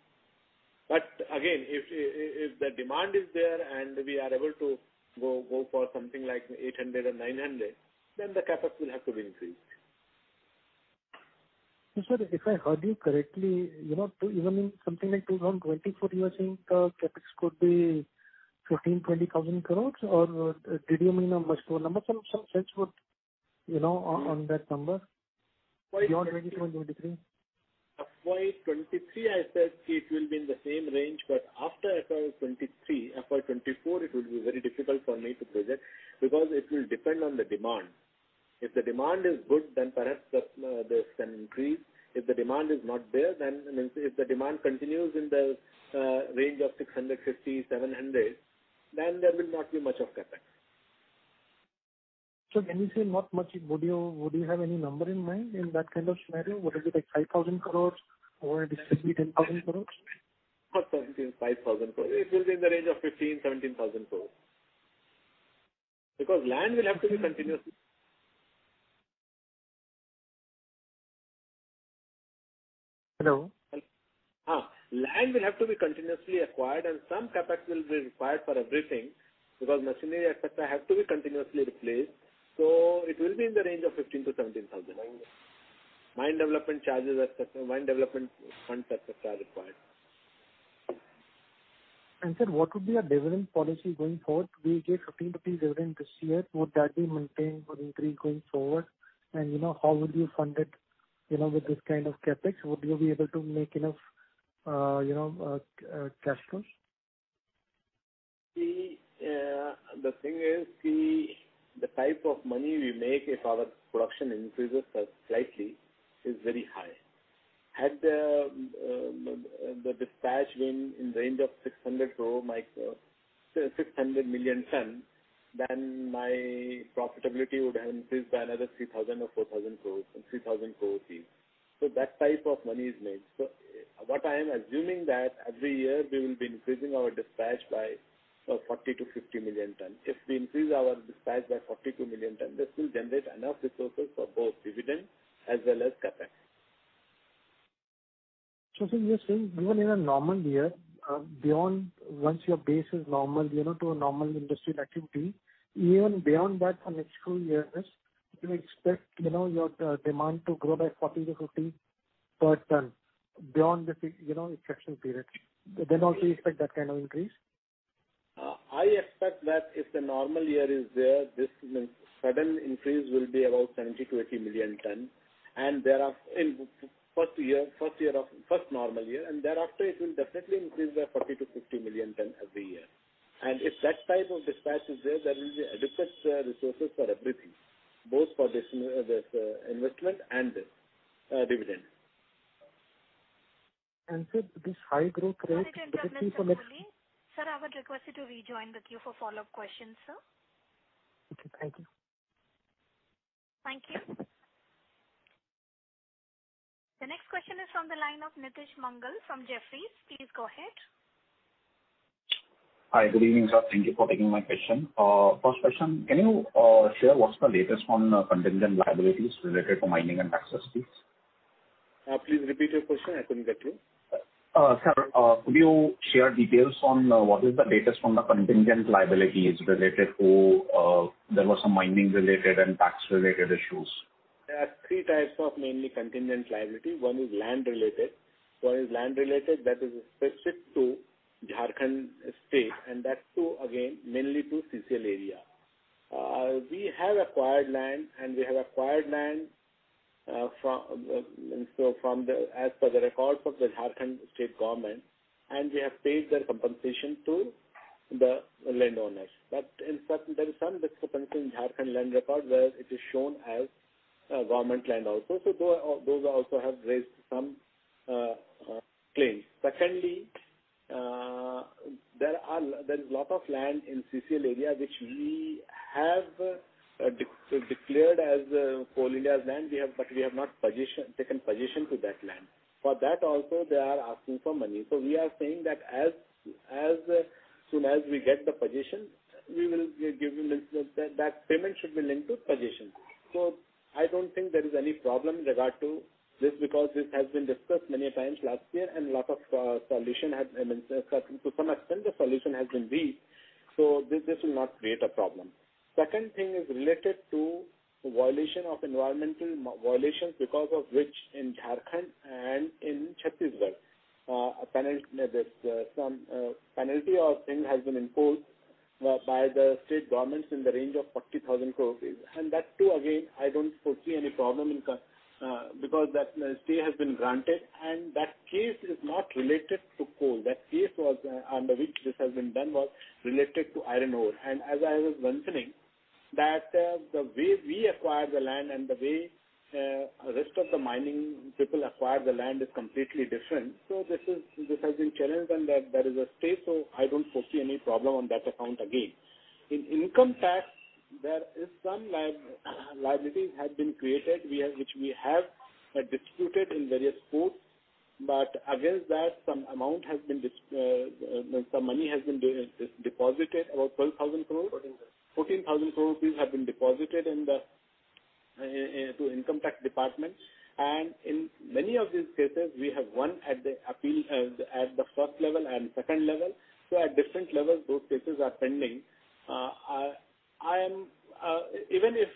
Again, if the demand is there and we are able to go for something like 800-900, then the CapEx will have to increase. Sir, if I heard you correctly, even in something like 2024, you are saying the CapEx could be 15,000 crore, 20,000 crore, or did you mean a much lower number? Some sense on that number. Beyond 2023. FY 2023, I said it will be in the same range, but after FY 2023, FY 2024, it will be very difficult for me to project because it will depend on the demand. If the demand is good, then perhaps this can increase. If the demand is not there, then if the demand continues in the range of 650-700, then there will not be much of CapEx. Sir, when you say not much, would you have any number in mind in that kind of scenario? Whether it be 5,000 crores or it is simply 10,000 crores? Not 17,500 crores. It will be in the range of 15,000 crores-17,000 crores. Land will have to be continuously- Hello? Land will have to be continuously acquired and some CapEx will be required for everything because machinery has to be continuously replaced. It will be in the range of 15,000 crore-17,000 crore. Mine development funds CapEx are required. Sir, what would be our dividend policy going forward? We gave 15.30 rupees dividend this year. Would that be maintained or increased going forward? How would you fund it, with this kind of CapEx? Would you be able to make enough cash flows? The thing is, the type of money we make if our production increases slightly is very high. Had the dispatch been in range of 600 million tons, my profitability would have increased by another 3,000 crore or 4,000 crore, 3,000 crore rupees. That type of money is made. What I am assuming that every year we will be increasing our dispatch by 40 million-50 million tons. If we increase our dispatch by 42 million tons, this will generate enough resources for both dividends as well as CapEx. You're saying even in a normal year, once your base is normal, you're into a normal industry activity, even beyond that for next 2 years, you expect your demand to grow by 40-50 per ton beyond the exception period. Also you expect that kind of increase? I expect that if a normal year is there, this sudden increase will be around 70 million tons-80 million tons. First normal year, thereafter it will definitely increase by 40 million-50 million tons every year. If that type of dispatch is there will be adequate resources for everything, both for investment and dividend. Sir, with this high growth rate. Sir, I would request you to rejoin the queue for follow-up questions, sir. Thank you. Thank you. The next question is on the line of Nitij Mangal from Jefferies. Please go ahead. Hi, good evening, sir. Thank you for taking my question. First question, can you share what is the latest on contingent liabilities related to mining and taxes, please? Please repeat your question. I couldn't get you. Sir, could you share details on what is the latest on the contingent liabilities related to, there were some mining-related and tax-related issues? There are three types of mainly contingent liability. One is land-related. 1 is land-related, that is specific to Jharkhand State, and that's to, again, mainly to CCL area. We have acquired land, and we have acquired land as per the records of the Jharkhand State Government, and we have paid their compensation to the landowners. There is some discrepancy in Jharkhand land record where it is shown as government land also. Those also have raised some claims. Secondly, there's lot of land in CCL area which we have declared as Coal India's land, but we have not taken possession to that land. For that also, they are asking for money. We are saying that as soon as we get the possession, that payment should be linked to possession. I don't think there is any problem in regard to this because it has been discussed many times last year and to some extent, the solution has been reached. Second thing is related to violation of environmental violations because of which in Jharkhand and in Chhattisgarh, some penalty or fine has been imposed by the state governments in the range of 40,000 crore rupees. That too, again, I don't foresee any problem because the stay has been granted and that case is not related to coal. That case under which this has been done was related to iron ore. As I was mentioning, that the way we acquire the land and the way rest of the mining people acquire the land is completely different. This has been challenged and there is a stay, so I don't foresee any problem on that account again. In income tax, there is some liability has been created, which we have disputed in various courts. Against that, some money has been deposited, about 12,000, 14,000 have been deposited in the income tax department. In many of these cases, we have won at the appeal at the first level and second level. At different levels, those cases are pending. Even if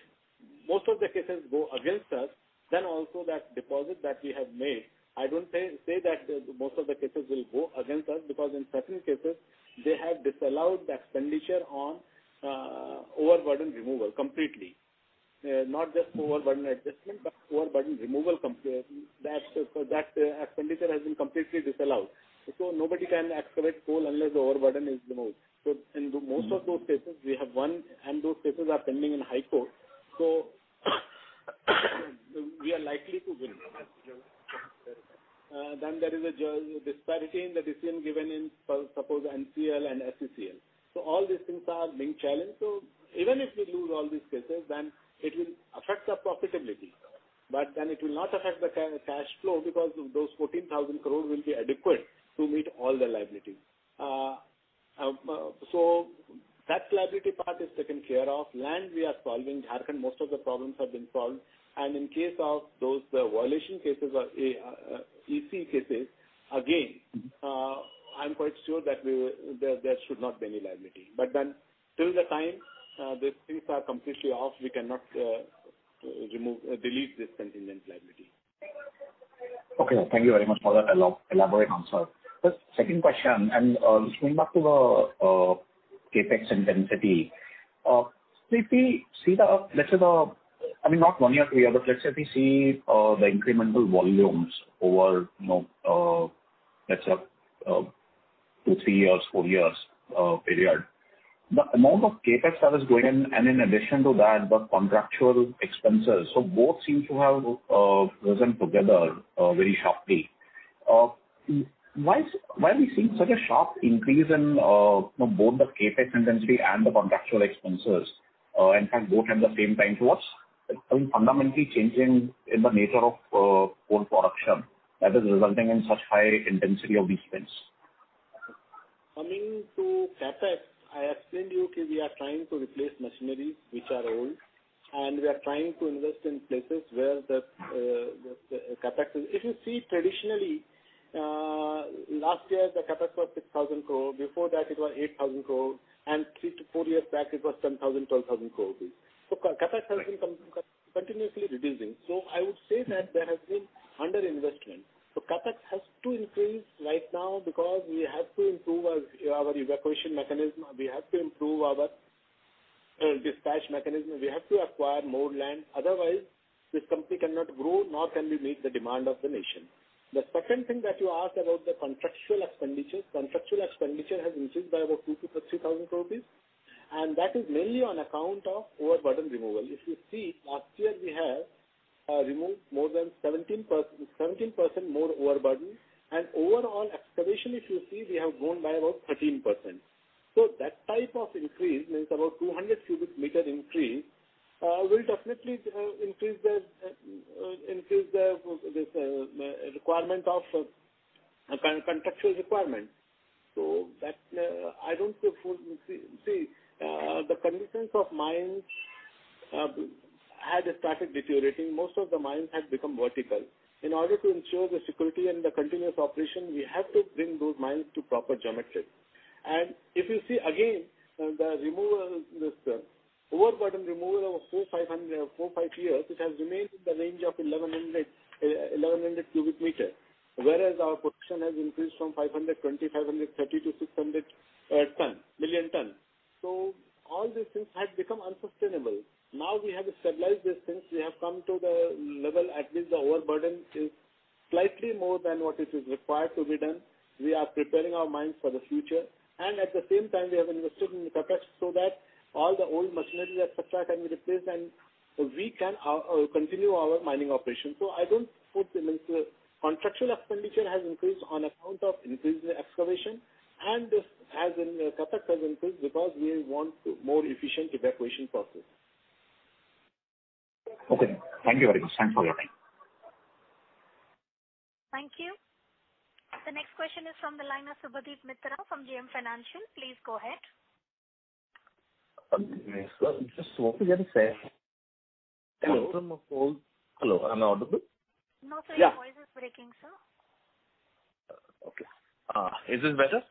most of the cases go against us, then also that deposit that we have made, I don't say that most of the cases will go against us, because in certain cases, they have disallowed the expenditure on overburden removal completely. Not just overburden adjustment, but overburden removal. That expenditure has been completely disallowed. Nobody can excavate coal unless the overburden is removed. In most of those cases, we have won, and those cases are pending in the High Court, we are likely to win. There is a disparity in the decision given in, suppose, NCL and CCL. All these things are being challenged. Even if we lose all these cases, then it will affect our profitability. It will not affect the cash flow because those 14,000 will be adequate to meet all the liabilities. That liability part is taken care of. Land, we are solving. I think most of the problems have been solved. In case of those violation cases or EC cases, again, I'm quite sure that there should not be any liability. Till the time these things are completely out, we cannot delete this contingent liability. Okay. Thank you very much for that elaborate answer. Second question, coming back to the CapEx intensity. Let's say, not one year, but let's say we see the incremental volumes over two, three years, four years period. The amount of CapEx that is going in, and in addition to that, the contractual expenses, both seem to have risen together very sharply. Why are we seeing such a sharp increase in both the CapEx intensity and the contractual expenses? In fact, both at the same time. What's fundamentally changing in the nature of coal production that is resulting in such high intensity of expense? Coming to CapEx, I explained to you we are trying to replace machinery which are old, and we are trying to invest in places where the CapEx is If you see traditionally, last year, the CapEx was 6,000 crore. Before that, it was 8,000 crore, and three to four years back, it was 10,000 crore-12,000 crore. CapEx has been continuously reducing. I would say that there has been under-investment. CapEx has to increase right now because we have to improve our evacuation mechanism. We have to improve our dispatch mechanism. We have to acquire more land. Otherwise, this company cannot grow, nor can we meet the demand of the nation. The second thing that you asked about the contractual expenditure. Contractual expenditure has increased by about 2,000 crore-3,000 crore rupees, and that is mainly on account of overburden removal. If you see, last year we have removed more than 17% more overburden and overall excavation, if you see, we have grown by about 13%. That type of increase means about 200 cubic meters increase will definitely increase the contractual requirement. See, the conditions of mines had started deteriorating. Most of the mines had become vertical. In order to ensure the security and the continuous operation, we have to bring those mines to proper geometry. If you see again, the overburden removal over four, five years, it has remained in the range of 1,100 cubic meters, whereas our production has increased from 520, 530 to 600 million tons. All these things had become unsustainable. We have stabilized these things. We have come to the level at which the overburden is slightly more than what is required to be done. We are preparing our mines for the future. At the same time, we have invested in CapEx so that all the old machineries, et cetera, can be replaced, and we can continue our mining operation. Contractual expenditure has increased on account of increasing excavation, and as in CapEx has increased because we want more efficient evacuation process. Okay, thank you very much. Thanks for your time. Thank you. The next question is from the line of Subhadip Mitra from JM Financial. Please go ahead. Hello, am I audible? No, sir. Your voice is breaking, sir. Okay. Is this better?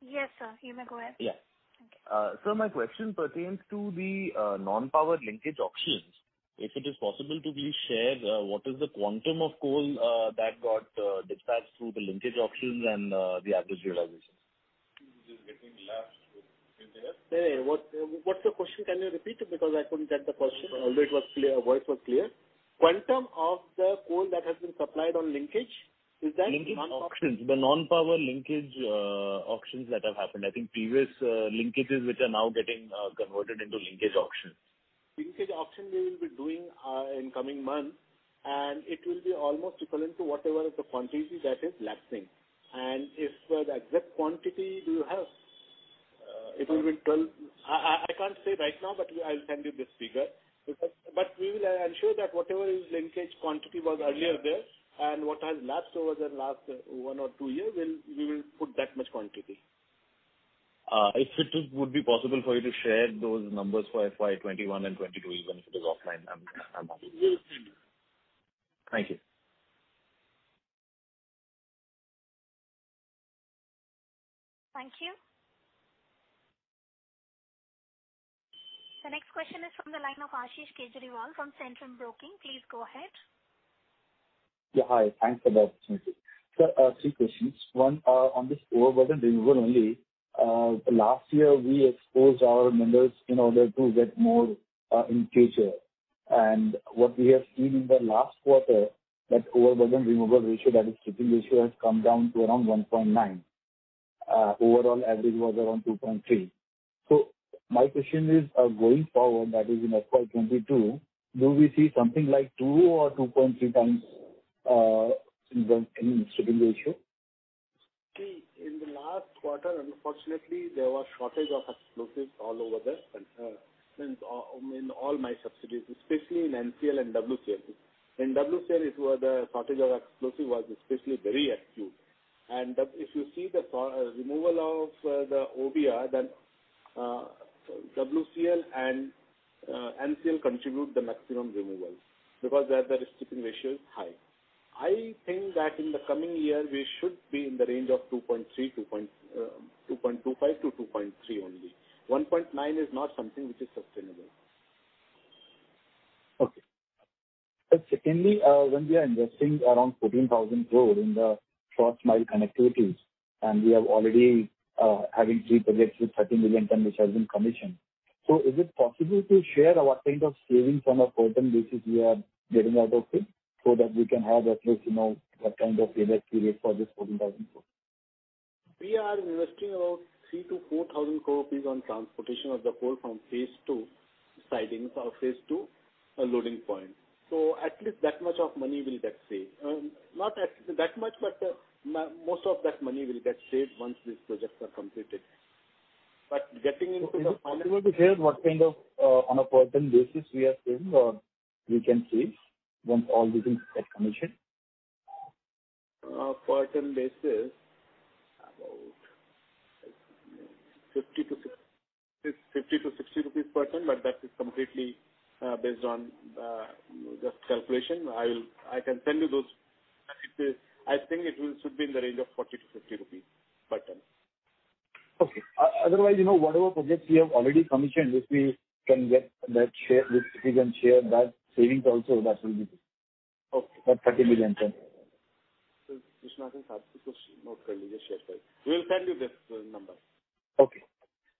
Yes, sir. You may go ahead. Yeah. Thank you. Sir, my question pertains to the non-power linkage auctions. If it is possible to please share what is the quantum of coal that got dispatched through the linkage auctions and the average realization? He's breaking laps, sir. Can you hear? What's the question? Can you repeat it? I couldn't get the question, although it was clear, voice was clear. Quantum of the coal that has been supplied on linkage. Linkage auctions. The non-power linkage auctions that have happened. I think previous linkages which are now getting converted into linkage auctions. Linkage auction we will be doing in coming months, and it will be almost equivalent to whatever is the quantity that is lapsing. If that quantity you have It will be 12. I can't say right now, but I'll tell you the figure. We will ensure that whatever is linkage quantity was earlier there, and what are lapsed over the last one or two years, we will put that much quantity. If it would be possible for you to share those numbers for FY 2021 and FY 2022, even if it is offline, I'm happy. Yes. Thank you. Thank you. The next question is from the line of Ashish Kejriwal from Centrum Broking. Please go ahead. Yeah. Hi, thanks for the opportunity. Three questions. One, on this overburden removal only. Last year, we exposed our miners in order to get more in What we have seen in the last quarter, that overburden removal ratio, that is strip ratio, has come down to around 1.9x. Overall average was around 2.3x. My question is, going forward, that is in FY 2022, will we see something like 2x or 2.3x in strip ratio? See, in the last quarter, unfortunately, there was shortage of explosives all over in all my subsidiaries, especially in NCL and WCL. In WCL, it was a shortage of explosive especially very acute. If you see the removal of the OBR, WCL and NCL contribute the maximum removal because their strip ratio is high. I think that in the coming year, we should be in the range of 2.25-2.3 only. 1.9 is not something which is sustainable. Okay. Secondly, when we are investing around 14,000 crore in the First Mile Connectivities, and we are already having three projects with 30 million tons which has been commissioned. Is it possible to share what kind of savings on a per ton basis we are getting out of it, so that we can have at least what kind of interest rate for this 14,000 crore? We are investing around 3,000 crore-4,000 crore rupees on transportation of the coal from phase 2 sidings or phase 2 loading point. At least that much of money will get saved. Not that much, but most of that money will get saved once these projects are completed. Are you able to share what kind of on a per ton basis we are saving or we can save from all these things that commissioned? On a per ton basis, about INR 50-INR 60 per ton. That is completely based on rough calculation. I can tell you those. I think it should be in the range of 40-50 rupees per ton. Okay. Otherwise, whatever projects we have already commissioned, if we can share that savings also, that will be good. Okay. That 30 million tons. Sir, it's not a public question. We'll send it to this number. Okay.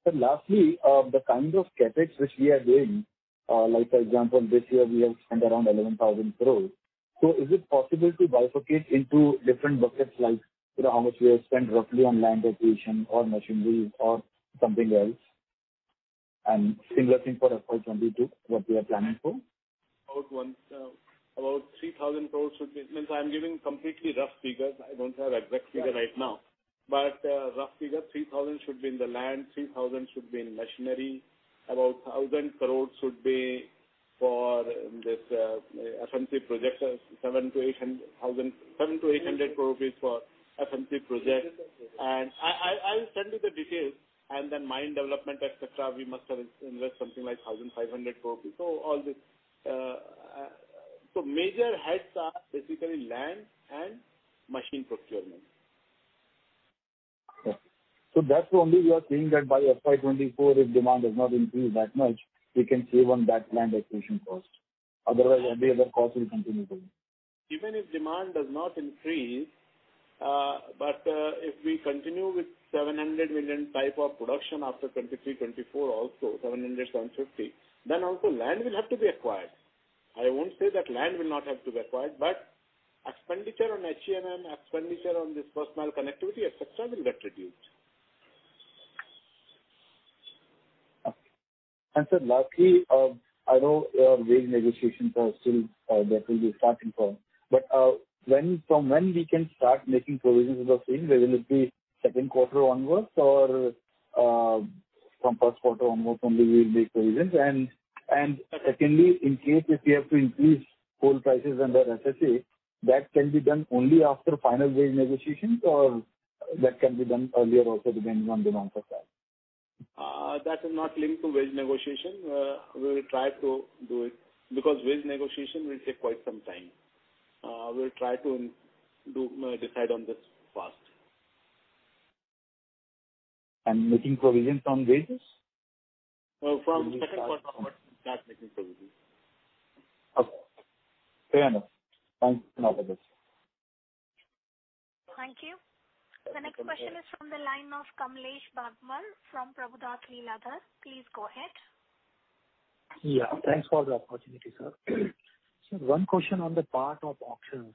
Sir, lastly, the kinds of CapEx which we are doing, like for example, this year we have spent around 11,000 crore. Is it possible to bifurcate into different buckets, like how much we have spent roughly on land acquisition or machinery or something else? Similar thing for FY 2022, what we are planning for. About 3,000 crore should be, I'm giving completely rough figures. I don't have exact figure right now. Rough figure, 3,000 should be in the land, 3,000 should be in machinery, about 1,000 crore should be for SMP projects, 700-800 for FMC projects. I'll send you the details, and then mine development, et cetera, we must invest something like 1,500 crore rupees. Major heads are basically land and machine procurement. Okay. That's only you are saying that by FY 2024, if demand does not increase that much, we can save on that land acquisition cost. Otherwise, every other cost will continue to increase. Even if demand does not increase, but if we continue with 700 million type of production after 2023, 2024 also, 700, 750, then also land will have to be acquired. I won't say that land will not have to be acquired, but expenditure on HEMM, expenditure on this first mile connectivity, et cetera, will get reduced. Okay. Sir, lastly, I know wage negotiation that will be starting from. From when we can start making provisions for same, whether it be second quarter onwards or from first quarter onwards only we will make provisions. Secondly, in case if we have to increase coal prices under SCC, that can be done only after final wage negotiations, or that can be done earlier also, depending on demand profile? That is not linked to wage negotiation. We will try to do it because wage negotiation will take quite some time. We'll try to decide on this fast. Any provision from wages? From second quarter onwards, we'll start making provision. Okay. Fair enough. Thanks a lot for this. Thank you. The next question is from the line of Kamlesh Bagmar from Prabhudas Lilladher. Please go ahead. Yeah. Thanks for the opportunity, sir. One question on the part of options.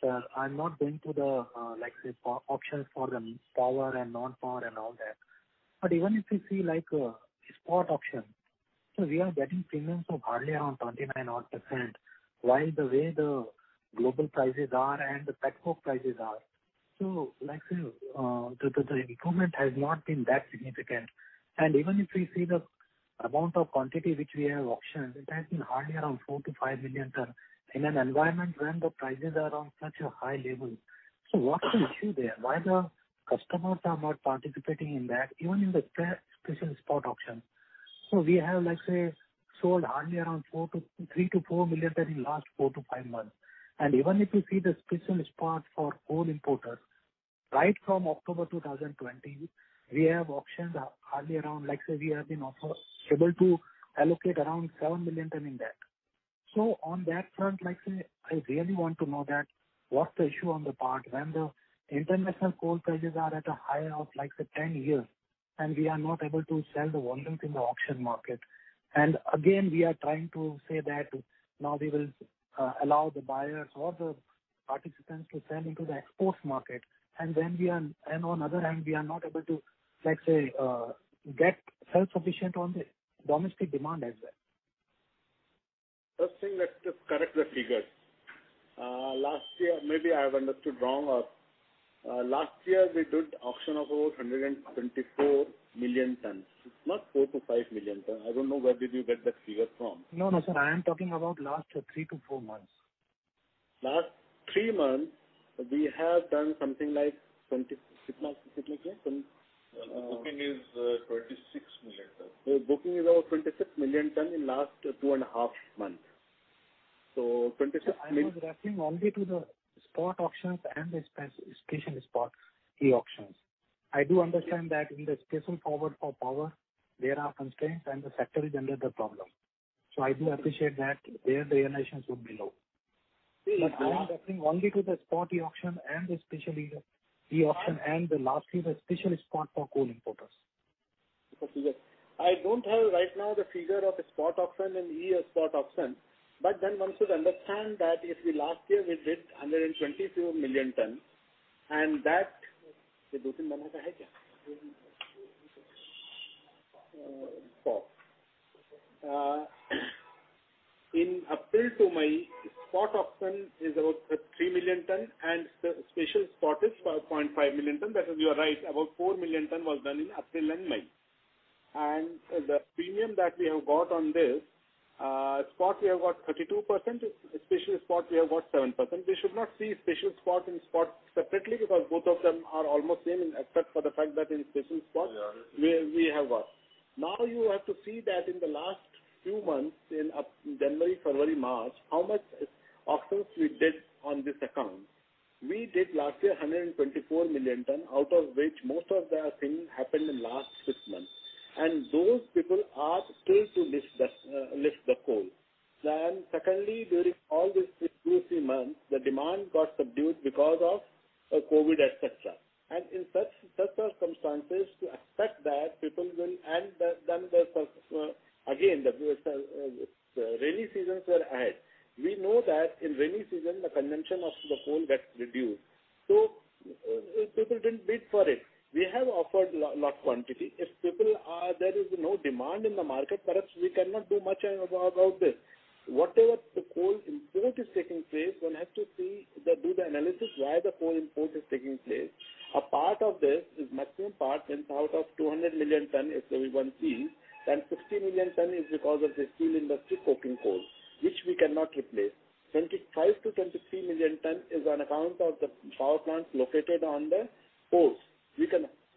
Sir, I'm not going to the, like say, options for power and non-power and all that. Even if you see like a spot option. We are getting premiums of hardly around 29-odd percent, while the way the global prices are and the petcoke prices are. Like I said, the decrement has not been that significant. Even if you see the amount of quantity which we have auctioned, it has been hardly around 4 million-5 million tons in an environment when the prices are on such a high level. What's the issue there? Why the customers are not participating in that, even in the special spot auction? We have, let's say, sold hardly around 3 million-4 million tons in the last 4-5 months. Even if you see the special spot for coal importers, right from October 2020, we have auctioned hardly around, let's say, we have been able to allocate around 7 million tons in that. On that front, I really want to know what's the issue on the part when the international coal prices are at a high of 10 years and we are not able to sell the volumes in the auction market. Again, we are trying to say that now we will allow the buyers or the participants to sell into the export market. On other hand, we are not able to get self-sufficient on the domestic demand as such. First thing, let's just correct the figures. Maybe I've understood wrong. Last year we did auction of over 124 million tons, not 4 million-5 million tons. I don't know where did you get that figure from? No, sir, I am talking about last three to four months. Last three months, we have done something like 20. How much did we do? Booking is 26 million tons. The booking is now 26 million tons in the last 2 and a half months. I was referring only to the spot auctions and the special spot e-auctions. I do understand that in the special power for power, there are constraints and the sector is under the problem. I do appreciate that their realization would be low. I was referring only to the spot e-auction and the special e-auction and the last year's special spot for coal importers. I don't have right now the figure of spot auction and e-spot auction. One has to understand that if the last year we did 124 million tons. In April to May, spot auction is about 3 million tons and special spot is 4.5 million tons, because you're right, about 4 million tons was done in April and May. The premium that we have got on this, spot we have got 32%, special spot we have got 7%. We should not see special spot and spot separately because both of them are almost same except for the fact that in special spot we have what. You have to see that in the last few months, in January, February, March, how much auctions we did on this account. We did last year 124 million tons, out of which most of the thing happened in last six months. Those people are still to lift the coal. Secondly, during all this two, three months, the demand got subdued because of COVID, et cetera. In such circumstances, again, the rainy seasons were ahead. We know that in rainy season, the consumption of the coal gets reduced. People didn't bid for it. We have offered lot quantity. If there is no demand in the market, perhaps we cannot do much about this. Whatever the coal import is taking place, one has to do the analysis why the coal import is taking place. A part of this, the maximum part is out of 200 million tons, if anyone sees, 10, 15 million tons is because of the steel industry coking coal, which we cannot replace. 25 to 23 million tons is on account of the power plants located on the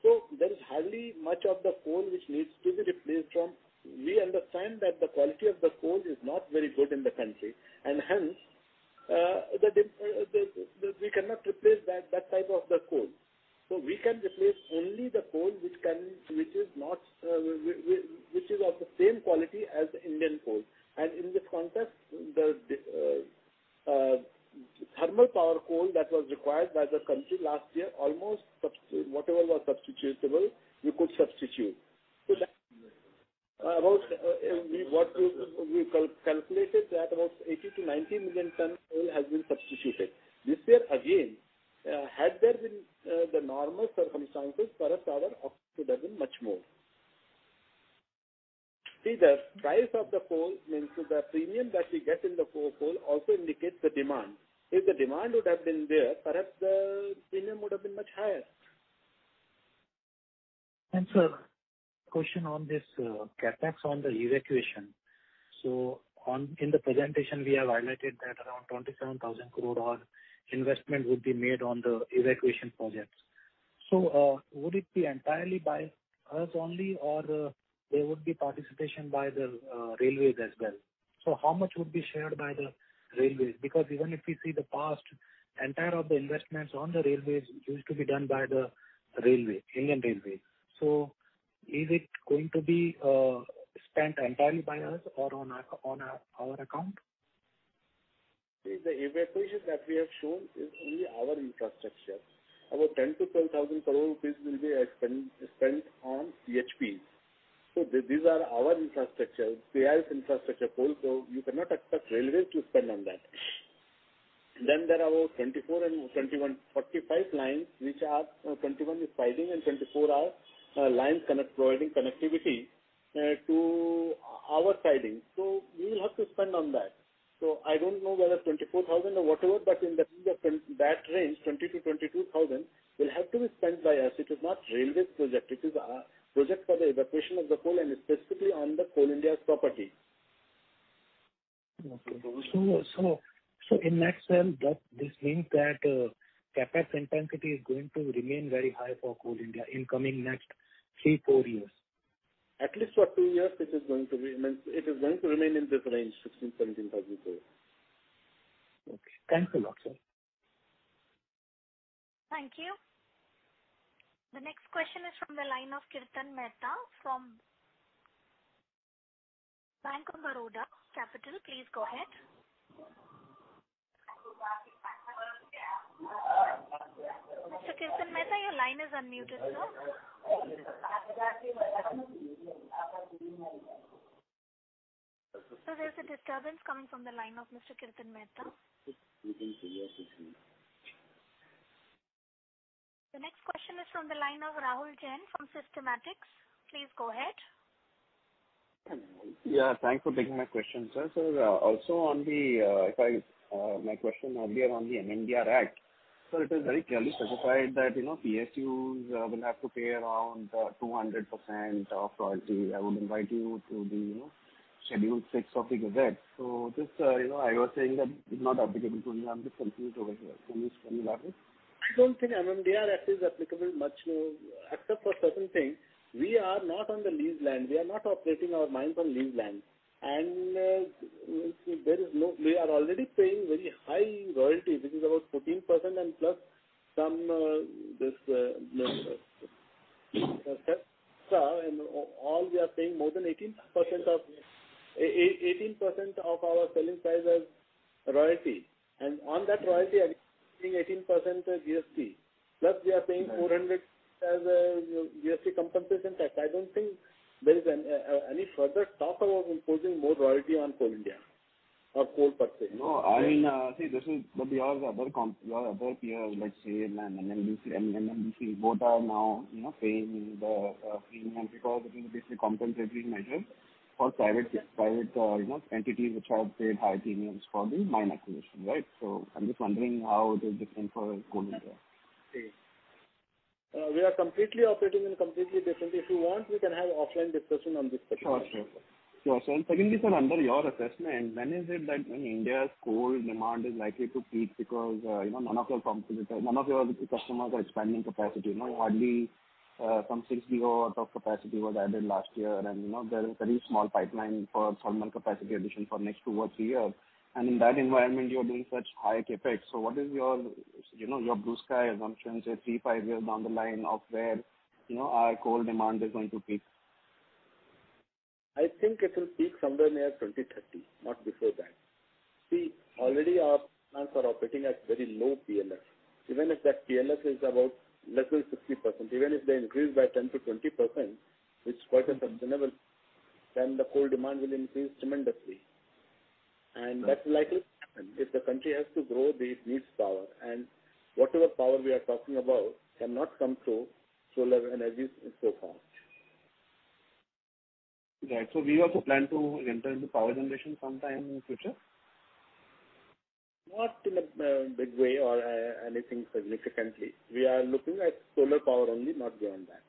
ports. There's hardly much of the coal which needs to be replaced from. We understand that the quality of the coal is not very good in the country, and hence, we cannot replace that type of the coal. We can replace only the coal which is of the same quality as the Indian coal. In this context, the thermal power coal that was required by the country last year, almost whatever was substitutable, we could substitute. We calculated that about 80 to 90 million tons coal has been substituted. This year again, had there been the normal circumstances, perhaps our auction would have been much more. See, the price of the coal means the premium that we get in the coal also indicates the demand. If the demand would have been there, perhaps the premium would have been much higher. Sir, question on this CapEx on the evacuation. In the presentation, we have highlighted that around 27,000 crore investment would be made on the evacuation projects. Would it be entirely by us only or there would be participation by the railways as well? How much would be shared by the railway? Because even if you see the past, entire of the investments on the railways used to be done by the railway, Indian Railways. Is it going to be spent entirely by us or on our account? See, the evacuation that we have shown is only our infrastructure. About 10,000-12,000 crores rupees will be spent on CHP. These are our infrastructure, CIL's infrastructure. You cannot expect railways to spend on that. Then there are about 24 and 21, 45 lines which are 21 is siding and 24 are lines providing connectivity to our siding. We will have to spend on that. I don't know whether 24,000 or whatever, but in that range, 20,000-22,000 will have to be spent by us. It is not railway's project. It is a project for the evacuation of the coal and it's specifically on the Coal India's property. In that sense, this means that CapEx intensity is going to remain very high for Coal India in coming next three, four years. At least for two years it is going to remain in this range, 16 billion, 17 billion, 18 billion. Okay. Thank you, sir. Thank you. The next question is from the line of Kirtan Mehta from Bank of Baroda Capital. Please go ahead. Mr. Kirtan Mehta, your line is unmuted, sir. Sir, there's a disturbance coming from the line of Mr. Kirtan Mehta. The next question is from the line of Rahul Jain from Systematix. Please go ahead. Yeah, thanks for taking my question, sir. Sir, if my question earlier on the MMDR Act. Sir, it is very clearly specified that PSUs will have to pay around 200% of royalty. I would invite you to the schedule fix of the event. Just, I was saying that it's not applicable. I'm just confused over here. Please tell me about it. I don't think MMDR Act is applicable much, except for certain things. We are not on the lease land. We are not operating our mine on lease land. We are already paying very high royalty, which is about 14% and plus some extra, in all we are paying more than 18% of our selling price as royalty. On that royalty, I think 18% as GST, plus we are paying 400 as a GST compensation tax. I don't think there is any further talk about imposing more royalty on Coal India or Coal perspective. I mean, see, this is probably all about here, let's say, NMDC both are now paying the premium because of this compensatory measure for private entities which have paid high premiums for the mine acquisition. I'm just wondering how it is different for Coal India. We are completely operating in completely different. If you want, we can have offline discussion on this particular topic. Sure. Secondly, sir, under your assessment, when is it that India's coal demand is likely to peak? One of your customers are expanding capacity. Hardly some 60 odd of capacity was added last year, and there is a very small pipeline for some more capacity addition for next two or three years. In that environment, you're doing such high CapEx. What is your blue sky assumption, say, three, five years down the line of where our coal demand is going to peak? I think it will peak somewhere near 2030, not before that. See, already our plants are operating at very low PLF. Even if that PLF is about less than 60%, even if they increase by 10%-20%, which quite is reasonable, then the coal demand will increase tremendously. That's likely. If the country has to grow, it needs power, and whatever power we are talking about cannot come through solar energy and so forth. Right. Do you have a plan to enter into power generation sometime in future? Not in a big way or anything significantly. We are looking at solar power only, not beyond that.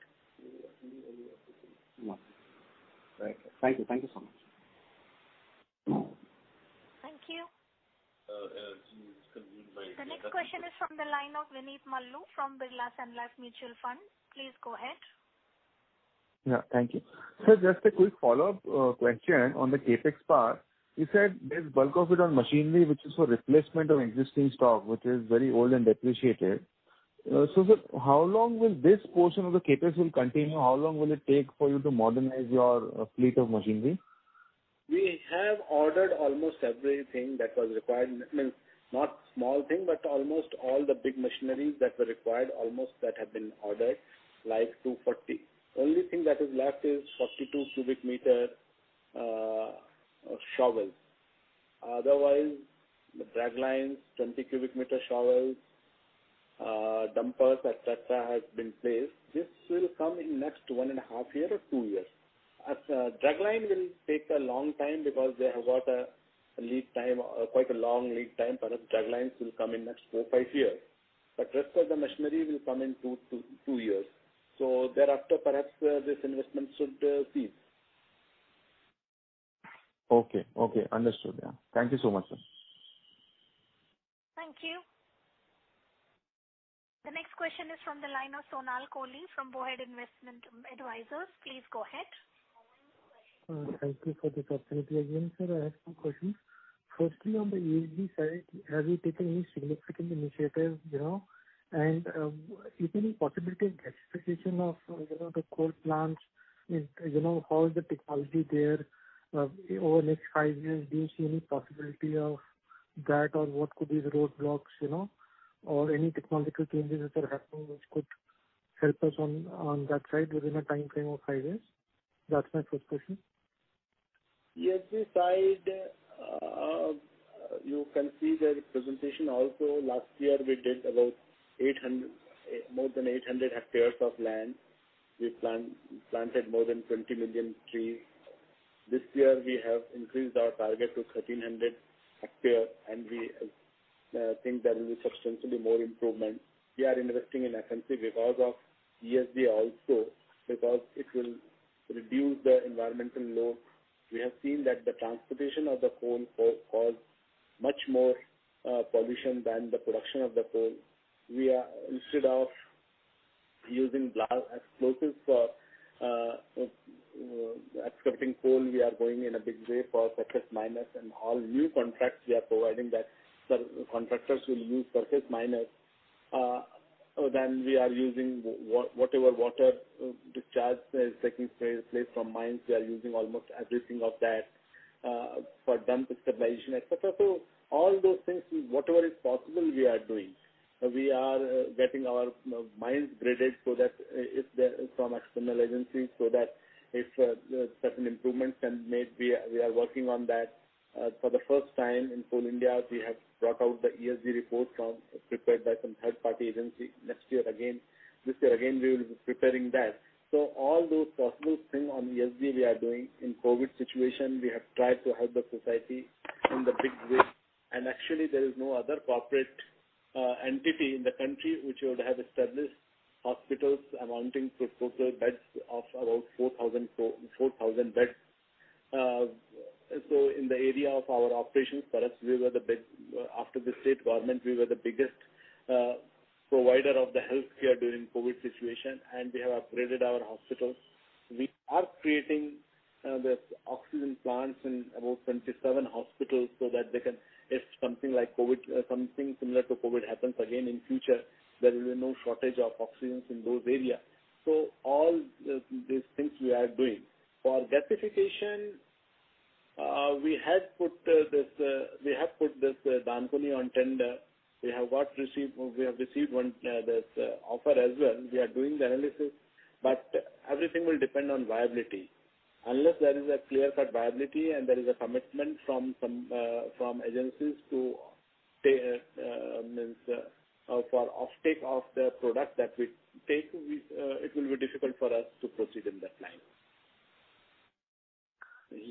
Right. Thank you so much. Thank you. The next question is from the line of Vineet Maloo from Birla Sun Life Mutual Fund. Please go ahead. Yeah, thank you. Sir, just a quick follow-up question on the CapEx part. You said there's bulk of it on machinery, which is for replacement of existing stock, which is very old and depreciated. Sir, how long will this portion of the CapEx will continue? How long will it take for you to modernize your fleet of machinery? We have ordered almost everything that was required. I mean, not small thing, but almost all the big machineries that were required almost that have been ordered, like 240. Only thing that is left is 42 cubic meter shovel. Otherwise, draglines, 20 cubic meter shovels, dumpers, et cetera, has been placed. This will come in next one and a half year or two years. Dragline will take a long time because they have got quite a long lead time, perhaps draglines will come in next four, five years. Rest of the machinery will come in two years. Thereafter, perhaps this investment should cease. Okay. Understood. Thank you so much, sir. Thank you. The next question is from the line of Sonaal Kohli from Bowhead Investment Advisors. Please go ahead. Thank you for the opportunity again, sir. I have two questions. On the ESG side, have you taken any significant initiative? Is there any possibility of electrification of the coal plants? How is the technology there? Over the next five years, do you see any possibility of that or what could be the roadblocks? Any technological changes that happen which could help us on that side within a timeframe of five years? That's my first question. Yes, we tried. You can see the presentation also. Last year, we did more than 800 hectares of land. We planted more than 20 million trees. This year, we have increased our target to 1,300 hectares. We think there will be substantially more improvement. We are investing in FMC because of ESG also, because it will reduce the environmental load. We have seen that the transportation of the coal caused much more pollution than the production of the coal. Instead of using explosives for accepting coal, we are going in a big way for surface miners. In all new contracts, we are providing that the contractors will use surface miners. We are using whatever water discharge that is taking place from mines, we are using almost everything for dump stabilization, et cetera. All those things, whatever is possible, we are doing. We are getting our mines graded from external agencies, so that certain improvements can be made. We are working on that. For the first time in Coal India, we have brought out the ESG report prepared by some third-party agency. Next year again, we will be preparing that. All those possible things on ESG we are doing. In COVID situation, we have tried to help the society in the big way. Actually, there is no other corporate entity in the country which would have established hospitals amounting to total beds of about 4,000 beds. In the area of our operations, after the state government, we were the biggest provider of the healthcare during COVID situation, and we have upgraded our hospitals. We are creating the oxygen plants in about 27 hospitals so that if something similar to COVID happens again in future, there will be no shortage of oxygen in those areas. All these things we are doing. For gasification, we have put Dankuni on tender. We have received one offer as well. We are doing the analysis, but everything will depend on viability. Unless there is a clear-cut viability and there is a commitment from agencies for offtake of the product that we take, it will be difficult for us to proceed in that line.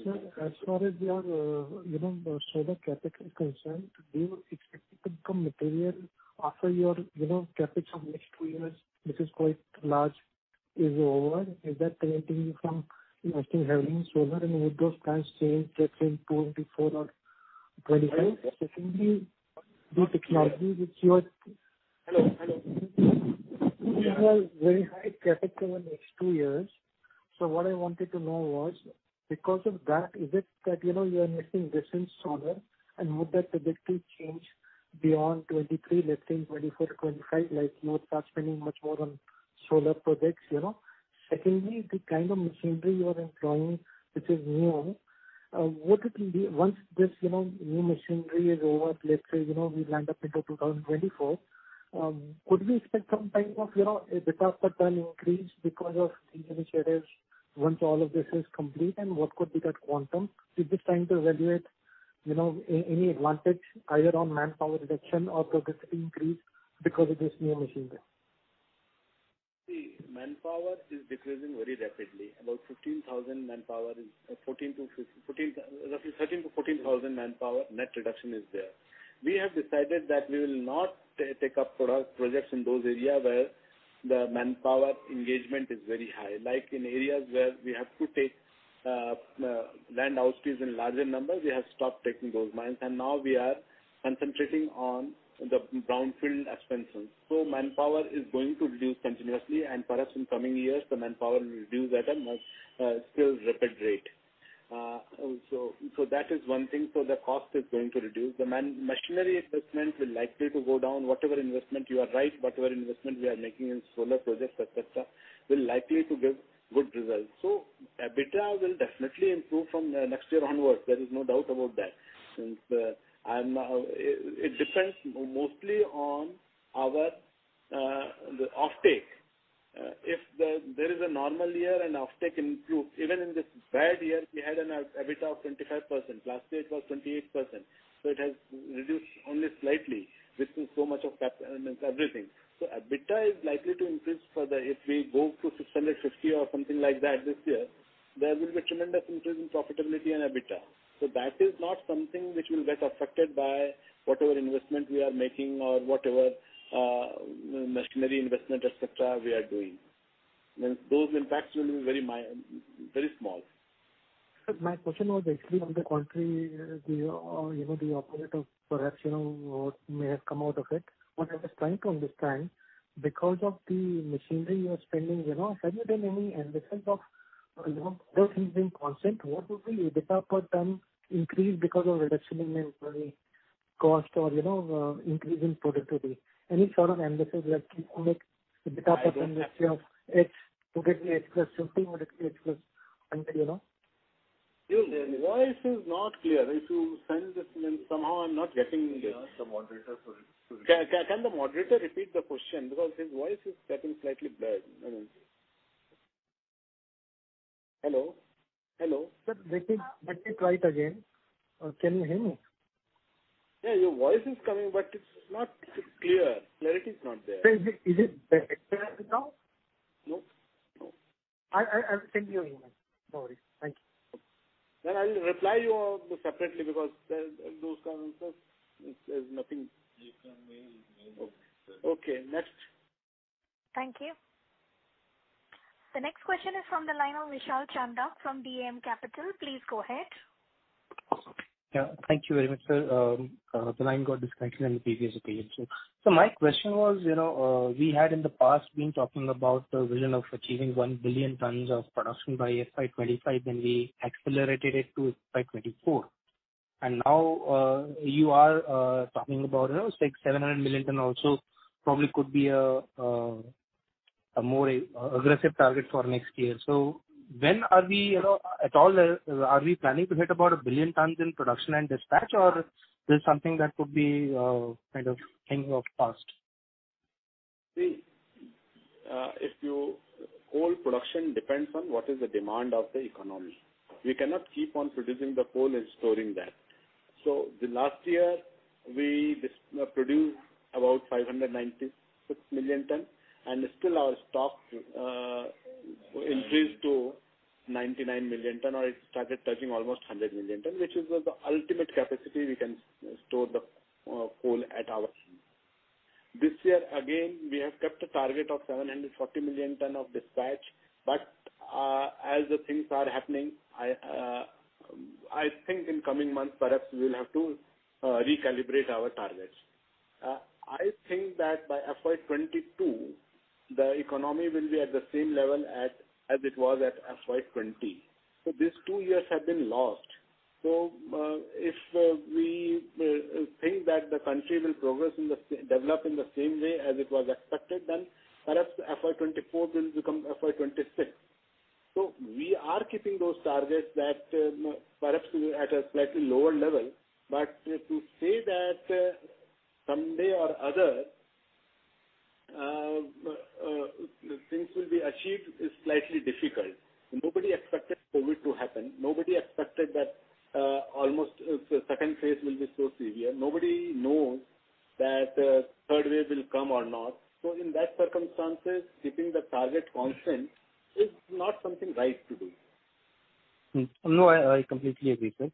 Sir, as far as your solar CapEx is concerned, do you expect it to become material after your CapEx in next two years, which is quite large, is over? Is that preventing you from investing heavily in solar? Will those plans change between 2024 or 2025? Secondly, the technology which you have very high CapEx in next two years. What I wanted to know was, because of that, is it that you are missing this in solar? Would that eventually change beyond 2023, let's say, 2024, 2025, you are spending much more on solar projects. Secondly, the kind of machinery you are employing, which is new, once this new machinery is over, let's say, we land up into 2024, could we expect some type of EBITDA per ton increase because of these initiatives once all of this is complete? What could be that quantum? Just trying to evaluate any advantage, either on manpower reduction or profit increase because of this new machinery. Manpower is decreasing very rapidly. About 13,000-14,000 manpower net reduction is there. We have decided that we will not take up projects in those areas where the manpower engagement is very high. Like in areas where we have to take land outlays in larger numbers, we have stopped taking those mines, and now we are concentrating on the brownfield expansions. Manpower is going to reduce continuously, and perhaps in coming years, the manpower will reduce at a still rapid rate. That is one thing. The cost is going to reduce. The machinery investments are likely to go down. You are right. Whatever investment we are making in solar projects, et cetera, will likely give good results. EBITDA will definitely improve from next year onwards. There is no doubt about that. It depends mostly on our offtake. If there is a normal year and offtake improves, even in this bad year, we had an EBITDA of 25%. Last year, it was 28%. It has reduced only slightly between so much of everything. EBITDA is likely to increase further. If we go to 650 or something like that this year, there will be a tremendous increase in profitability and EBITDA. That is not something which will get affected by whatever investment we are making or whatever machinery investment, et cetera, we are doing. Those impacts will be very small. Sir, my question was actually on the contrary, the opposite of perhaps what may have come out of it. What I was trying to understand, because of the machinery you are spending, suddenly the only emphasis of constant, what would be the EBITDA per ton increase because of reduction in manpower cost or increase in productivity? Any sort of emphasis that you could make EBITDA per ton next year? Your voice is not clear. Somehow I'm not getting it. Ask the moderator for it. Can the moderator repeat the question? His voice is getting slightly bad. Hello? Let me try it again. Can you hear me? Yeah, your voice is coming, but it's not clear. Clarity is not there. Is it better now? No. I'll send you an email. No worries. Thank you. I'll reply you all separately because in those circumstances, there's nothing. You can mail me, sir. Okay, next. Thank you. The next question is from the line of Vishal Chandak from DAM Capital. Please go ahead. Yeah. Thank you very much, sir. The line got disconnected in the previous occasion. My question was, we had in the past been talking about the vision of achieving 1 billion tons of production by FY 2025, then we accelerated it to FY 2024. Now, you are talking about 700 million tons probably could be a more aggressive target for next year. When are we at all, are we planning to hit about a billion tons in production and dispatch, or this is something that would be kind of thing of past? See, coal production depends on what is the demand of the economy. We cannot keep on producing the coal and storing that. The last year, we produced about 596 million tons, and still our stock increased to 99 million tons, or it started touching almost 100 million tons, which is the ultimate capacity we can store the coal at our end. This year, again, we have kept a target of 740 million tons of dispatch. As the things are happening, I think in coming months, perhaps we'll have to recalibrate our targets. I think that by FY 2022, the economy will be at the same level as it was at FY 2020. These two years have been lost. If we think that the country will develop in the same way as it was expected, then perhaps FY 2024 will become FY 2026. We are keeping those targets perhaps at a slightly lower level. To say that someday or other things will be achieved is slightly difficult. Nobody expected COVID to happen. Nobody expected that almost the second phase will be so severe. Nobody knows that third wave will come or not. In that circumstances, keeping the target constant is not something right to do. No, I completely agree, sir.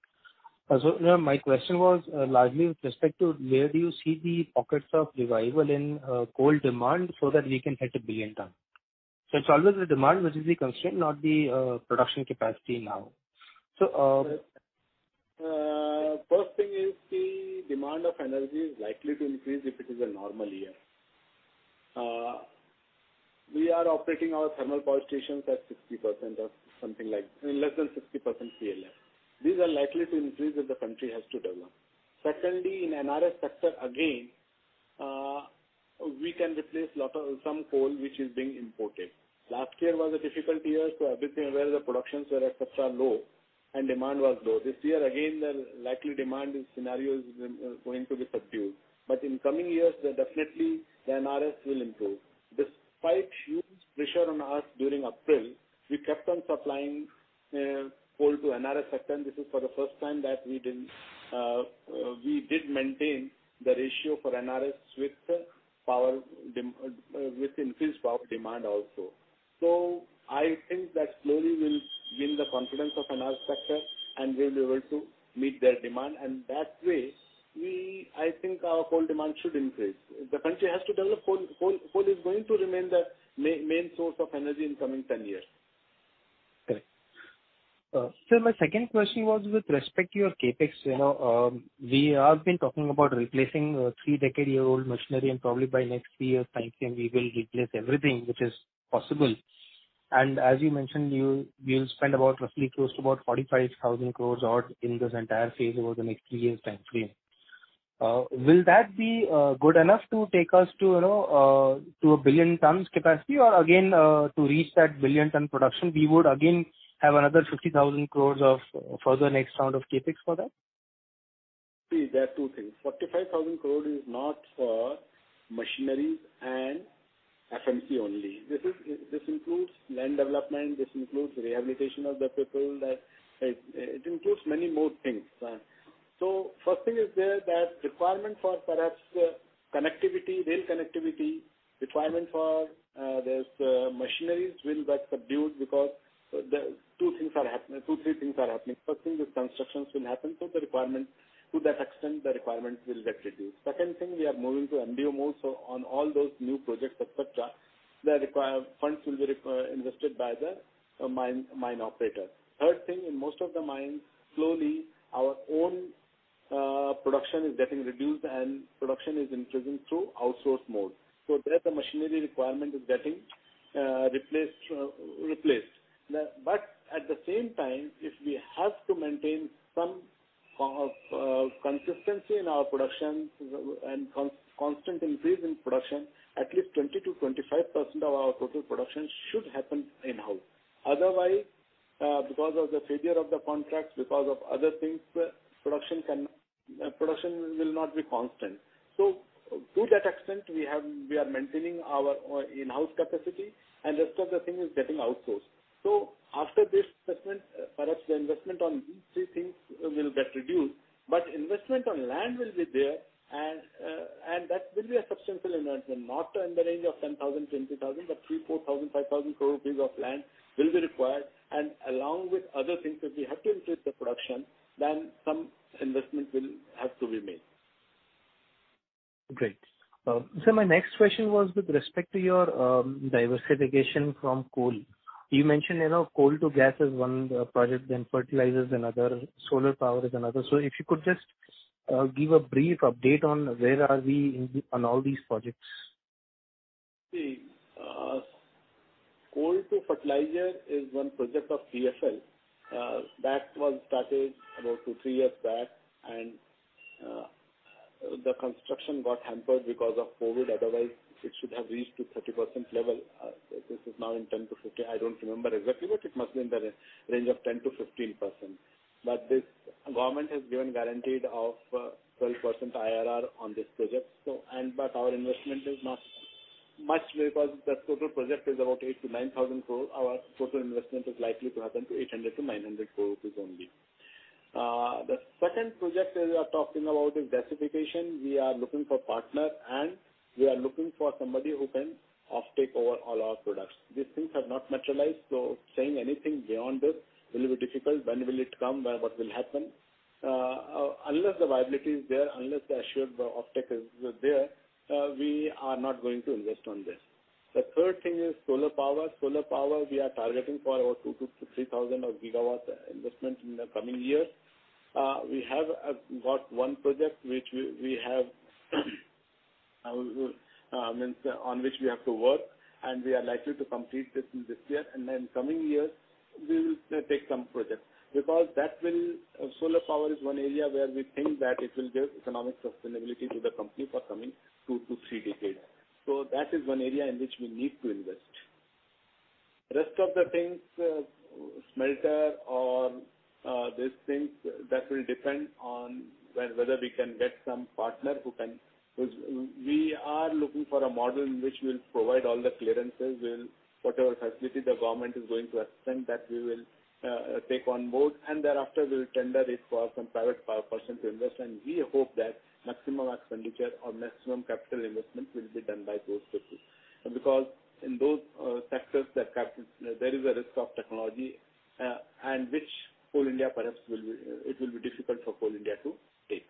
My question was largely with respect to where do you see the pockets of revival in coal demand so that we can hit 1 billion tons? It is always the demand which is the constraint, not the production capacity now. First thing is the demand of energy is likely to increase if it is a normal year. We are operating our thermal power stations at 60%, something like less than 60% PLF. These are likely to increase if the country has to develop. In NRS sector again, we can replace some coal which is being imported. Last year was a difficult year. Everything, where the productions were extra low and demand was low. This year, again, the likely demand scenario is going to be subdued. In coming years, definitely the NRS will improve. Despite huge pressure on us during April, we kept on supplying coal to NRS sector. This is for the first time that we did maintain the ratio for NRS with increased power demand also. I think that slowly we'll win the confidence of NRS sector, and we'll be able to meet their demand. That way, I think our coal demand should increase. If the country has to develop, coal is going to remain the main source of energy in coming 10 years. Correct. Sir, my second question was with respect to your CapEx. We have been talking about replacing three-decade-year-old machinery, and probably by next year sometime we will replace everything, which is possible. As you mentioned, we'll spend about roughly close to 45,000 crores in this entire phase over the next three-year timeframe. Will that be good enough to take us to a billion tonnes capacity or again, to reach that billion tonne production, we would again have another 50,000 crores for the next round of CapEx for that? See, there are two things. 45,000 crore is not for machineries and FMC only. This includes land development, this includes rehabilitation of the people. It includes many more things. First thing is there that requirement for perhaps rail connectivity, requirement for these machineries will get subdued because 2-3 things are happening. First thing is constructions will happen, so to that extent the requirement will get reduced. Second thing, we are moving to MDO mode. On all those new projects, etcetera, the funds will be invested by the mine operator. Third thing, in most of the mines, slowly our own production is getting reduced and production is increasing through outsourced mode. There the machinery requirement is getting replaced. At the same time, if we have to maintain some consistency in our production and constant increase in production, at least 20%-25% of our total production should happen in-house. Otherwise, because of the failure of the contract, because of other things, the production will not be constant. To that extent, we are maintaining our in-house capacity and rest of the thing is getting outsourced. After this investment, perhaps the investment on these three things will get reduced, but investment on land will be there and that will be a substantial investment. Not in the range of 10,000, 20,000, but 3,000, 4,000, 5,000 crore rupees of land will be required. Along with other things that we have to increase the production, then some investment will have to be made. Great. Sir, my next question was with respect to your diversification from coal. You mentioned coal to gas is one project, then fertilizers another, solar power is another. If you could just give a brief update on where are we on all these projects. Coal to fertilizer is one project of TFL. It was started about two, three years back. The construction got hampered because of COVID. It should have reached to 30% level. This is now in terms of, I don't remember exactly, but it must be in the range of 10%-15%. This government has given guarantee of 12% IRR on this project. Our investment is not much because the total project is about 8,000-9,000 crore. Our total investment is likely to be around 800-900 crore rupees only. The second project we are talking about is gasification. We are looking for partner. We are looking for somebody who can offtake over all our products. These things are not materialized. Saying anything beyond this will be difficult. When will it come? When what will happen? Unless the viability is there, unless the assured offtake is there, we are not going to invest on this. The third thing is solar power. Solar power, we are targeting for about 2,000-3,000 gigawatt investment in the coming years. We have got one project on which we have to work, and we are likely to complete it in this year, and then coming years, we will take some project. Solar power is one area where we think that it will give economic sustainability to the company for coming 2-3 decades. That is one area in which we need to invest. Rest of the things, smelter or these things, that will depend on whether we can get some partner who can. We are looking for a model in which we'll provide all the clearances, whatever subsidy the government is going to extend, that we will take on board, and thereafter we'll tender it for some private person to invest. We hope that maximum expenditure or maximum capital investment will be done by those people. In those sectors, there is a risk of technology, and which Coal India perhaps it will be difficult for Coal India to take.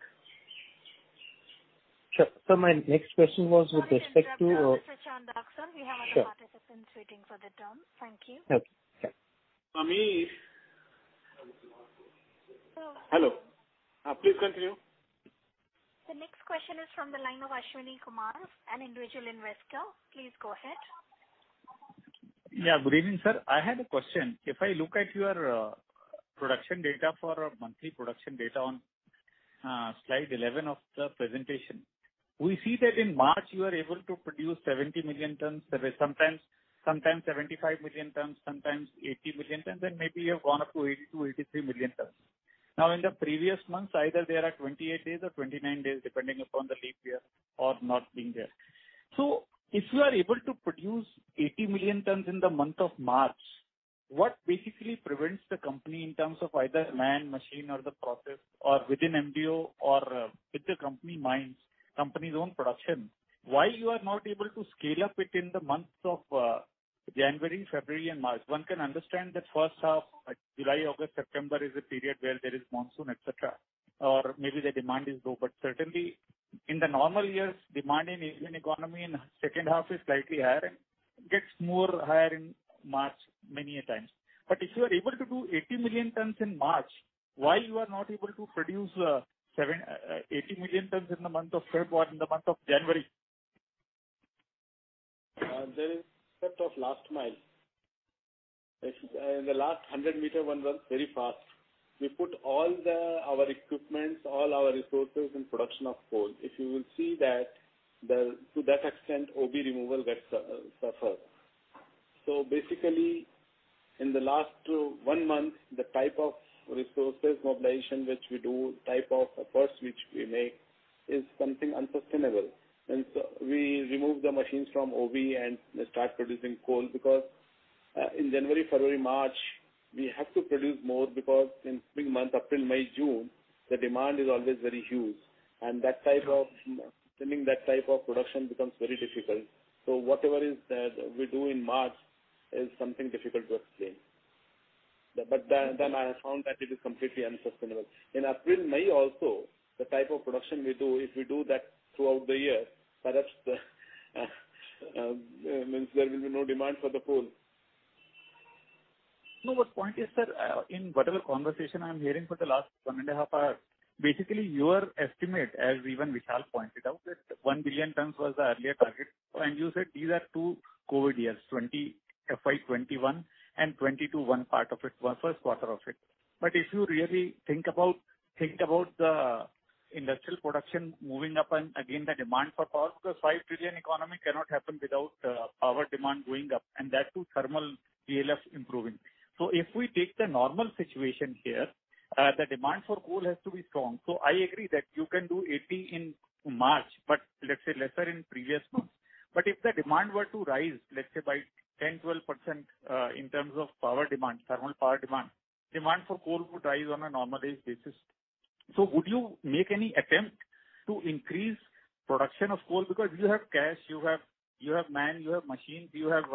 Sure. Sir, my next question was with respect to your. Sorry to interrupt Mr. Chandak sir. We have a participant waiting for the tone. Thank you. Okay. Sure. Hello. Please continue? The next question is from the line of Ashwani Kumar, an individual investor. Please go ahead. Good evening, sir. I had a question. If I look at your production data for monthly production data on slide 11 of the presentation, we see that in March you are able to produce 70 million tons, sometimes 75 million tons, sometimes 80 million tons, and maybe you have gone up to 82 million-83 million tons. Now, in the previous months, either there are 28 days or 29 days, depending upon the leap year or not being there. If you are able to produce 80 million tons in the month of March, what basically prevents the company in terms of either man, machine, or the process, or within MDO or with the company mines, company's own production, why you are not able to scale up it in the months of January, February, and March? One can understand the first half, July, August, September is a period where there is monsoon, et cetera, or maybe the demand is low. Certainly, in the normal years, demand in Indian economy in the second half is slightly higher and gets more higher in March many a times. If you are able to do 80 million tons in March, why you are not able to produce 80 million tons in the month of February or in the month of January? There is effect of last mile. In the last 100-meter one was very fast. We put all our equipment, all our resources in production of coal. If you will see that, to that extent, OB removal gets suffered. Basically, in the last one month, the type of resources mobilization which we do, type of efforts which we make, is something unsustainable. We remove the machines from OB and start producing coal because in January, February, March, we have to produce more because in spring month, April, May, June, the demand is always very huge. Sending that type of production becomes very difficult. Whatever is there that we do in March is something difficult to sustain. I found that it is completely unsustainable. In April, May also, the type of production we do, if we do that throughout the year, perhaps there will be no demand for the coal. No, my point is, sir, in whatever conversation I'm hearing for the last one and a half hour, basically, your estimate, as even Vishal pointed out, that 1 billion tons was the earlier target, and you said these are two COVID years, FY 2021 and FY 2022, 1 part of it, 1 first quarter of it. If you really think about the industrial production moving up and again, the demand for power, the $5 trillion economy cannot happen without power demand going up, and that too thermal PLF improving. If we take the normal situation here, the demand for coal has to be strong. I agree that you can do 80 in March, but let's say lesser in previous months. If the demand were to rise, let's say by 10%-12% in terms of power demand, thermal power demand for coal would rise on a normalized basis. Would you make any attempt to increase production of coal? You have cash, you have man, you have machines, you have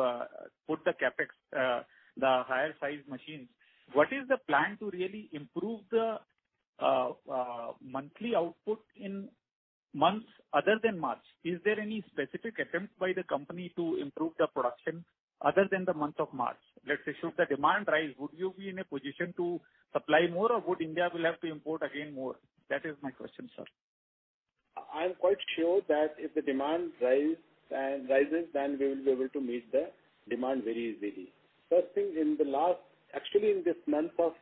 put the CapEx, the higher size machines. What is the plan to really improve the monthly output in months other than March? Is there any specific attempt by the company to improve the production other than the month of March? Let's say, if the demand rise, would you be in a position to supply more, or would India will have to import again more? That is my question, sir. I'm quite sure that if the demand rises, then we will be able to meet the demand very easily. First thing, actually, in this month of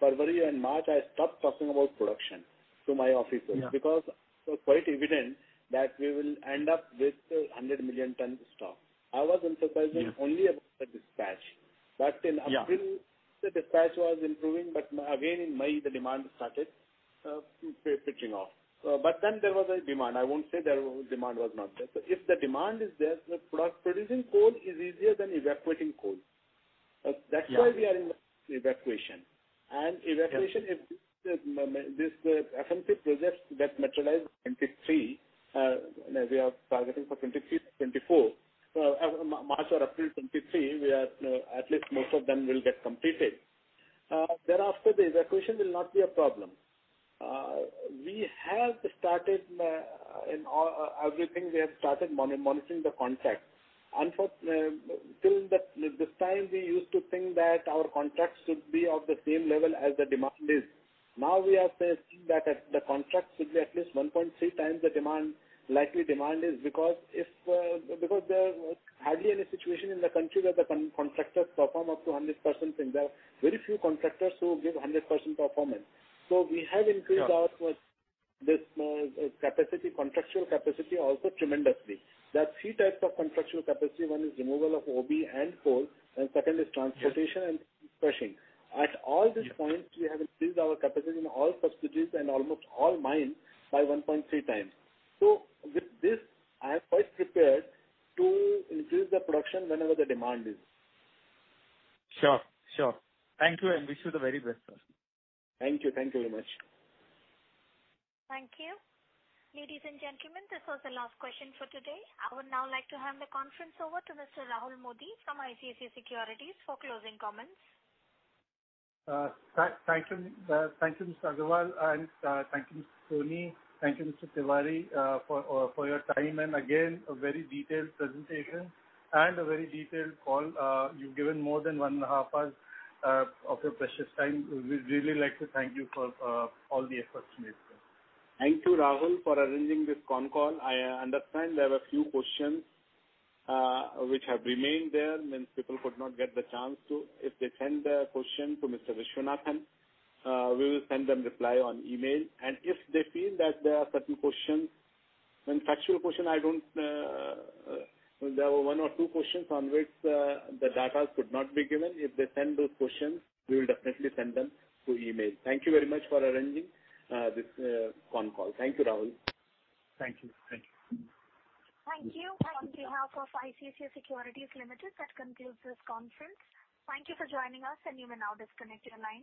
February and March, I stopped talking about production to my officers because it was quite evident that we will end up with 100 million tons of stock. I was emphasizing only about the dispatch. Back in April, the dispatch was improving, but again, in May, the demand started switching off. There was a demand. I won't say the demand was not there. If the demand is there, producing coal is easier than evacuating coal. That's why we are in evacuation. Evacuation, if these FMC projects get materialized in 2023, we are targeting for 2023-2024. March or April 2023, at least most of them will get completed. After, the evacuation will not be a problem. Everything we have started monitoring the contracts. This time we used to think that our contracts should be of the same level as the demand is. Now we are seeing that the contracts should be at least 1.3x the likely demand is because hardly any situation in the country that the contractors perform up to 100%. There are very few contractors who give 100% performance. We have increased our contractual capacity also tremendously. There are three types of contractual capacity. One is removal of OB and coal, and two is transportation and crushing. At all these points, we have increased our capacity in all subsidiaries and almost all mines by 1.3x. With this, I am quite prepared to increase the production whenever the demand is. Sure. Thank you, and wish you the very best. Thank you very much. Thank you. Ladies and gentlemen, this was the last question for today. I would now like to hand the conference over to Mr. Rahul Mody from ICICI Securities for closing comments. Thank you, Mr. Agarwal, and thank you, Mr. Soni. Thank you, Mr. Tiwari, for your time and again, a very detailed presentation and a very detailed call. You've given more than one and a half hours of your precious time. We'd really like to thank you for all the efforts made, sir. Thank you, Rahul, for arranging this con call. I understand there were a few questions which have remained there, means people could not get the chance to. If they send their question to Mr. Vishwanathan, we will send them a reply on email. If they feel that there are certain questions, when factual question, there were one or two questions on which the data could not be given. If they send those questions, we'll definitely send them through email. Thank you very much for arranging this con call. Thank you, Rahul. Thank you. Thank you. On behalf of ICICI Securities Limited, that concludes this conference. Thank you for joining us. You may now disconnect your lines.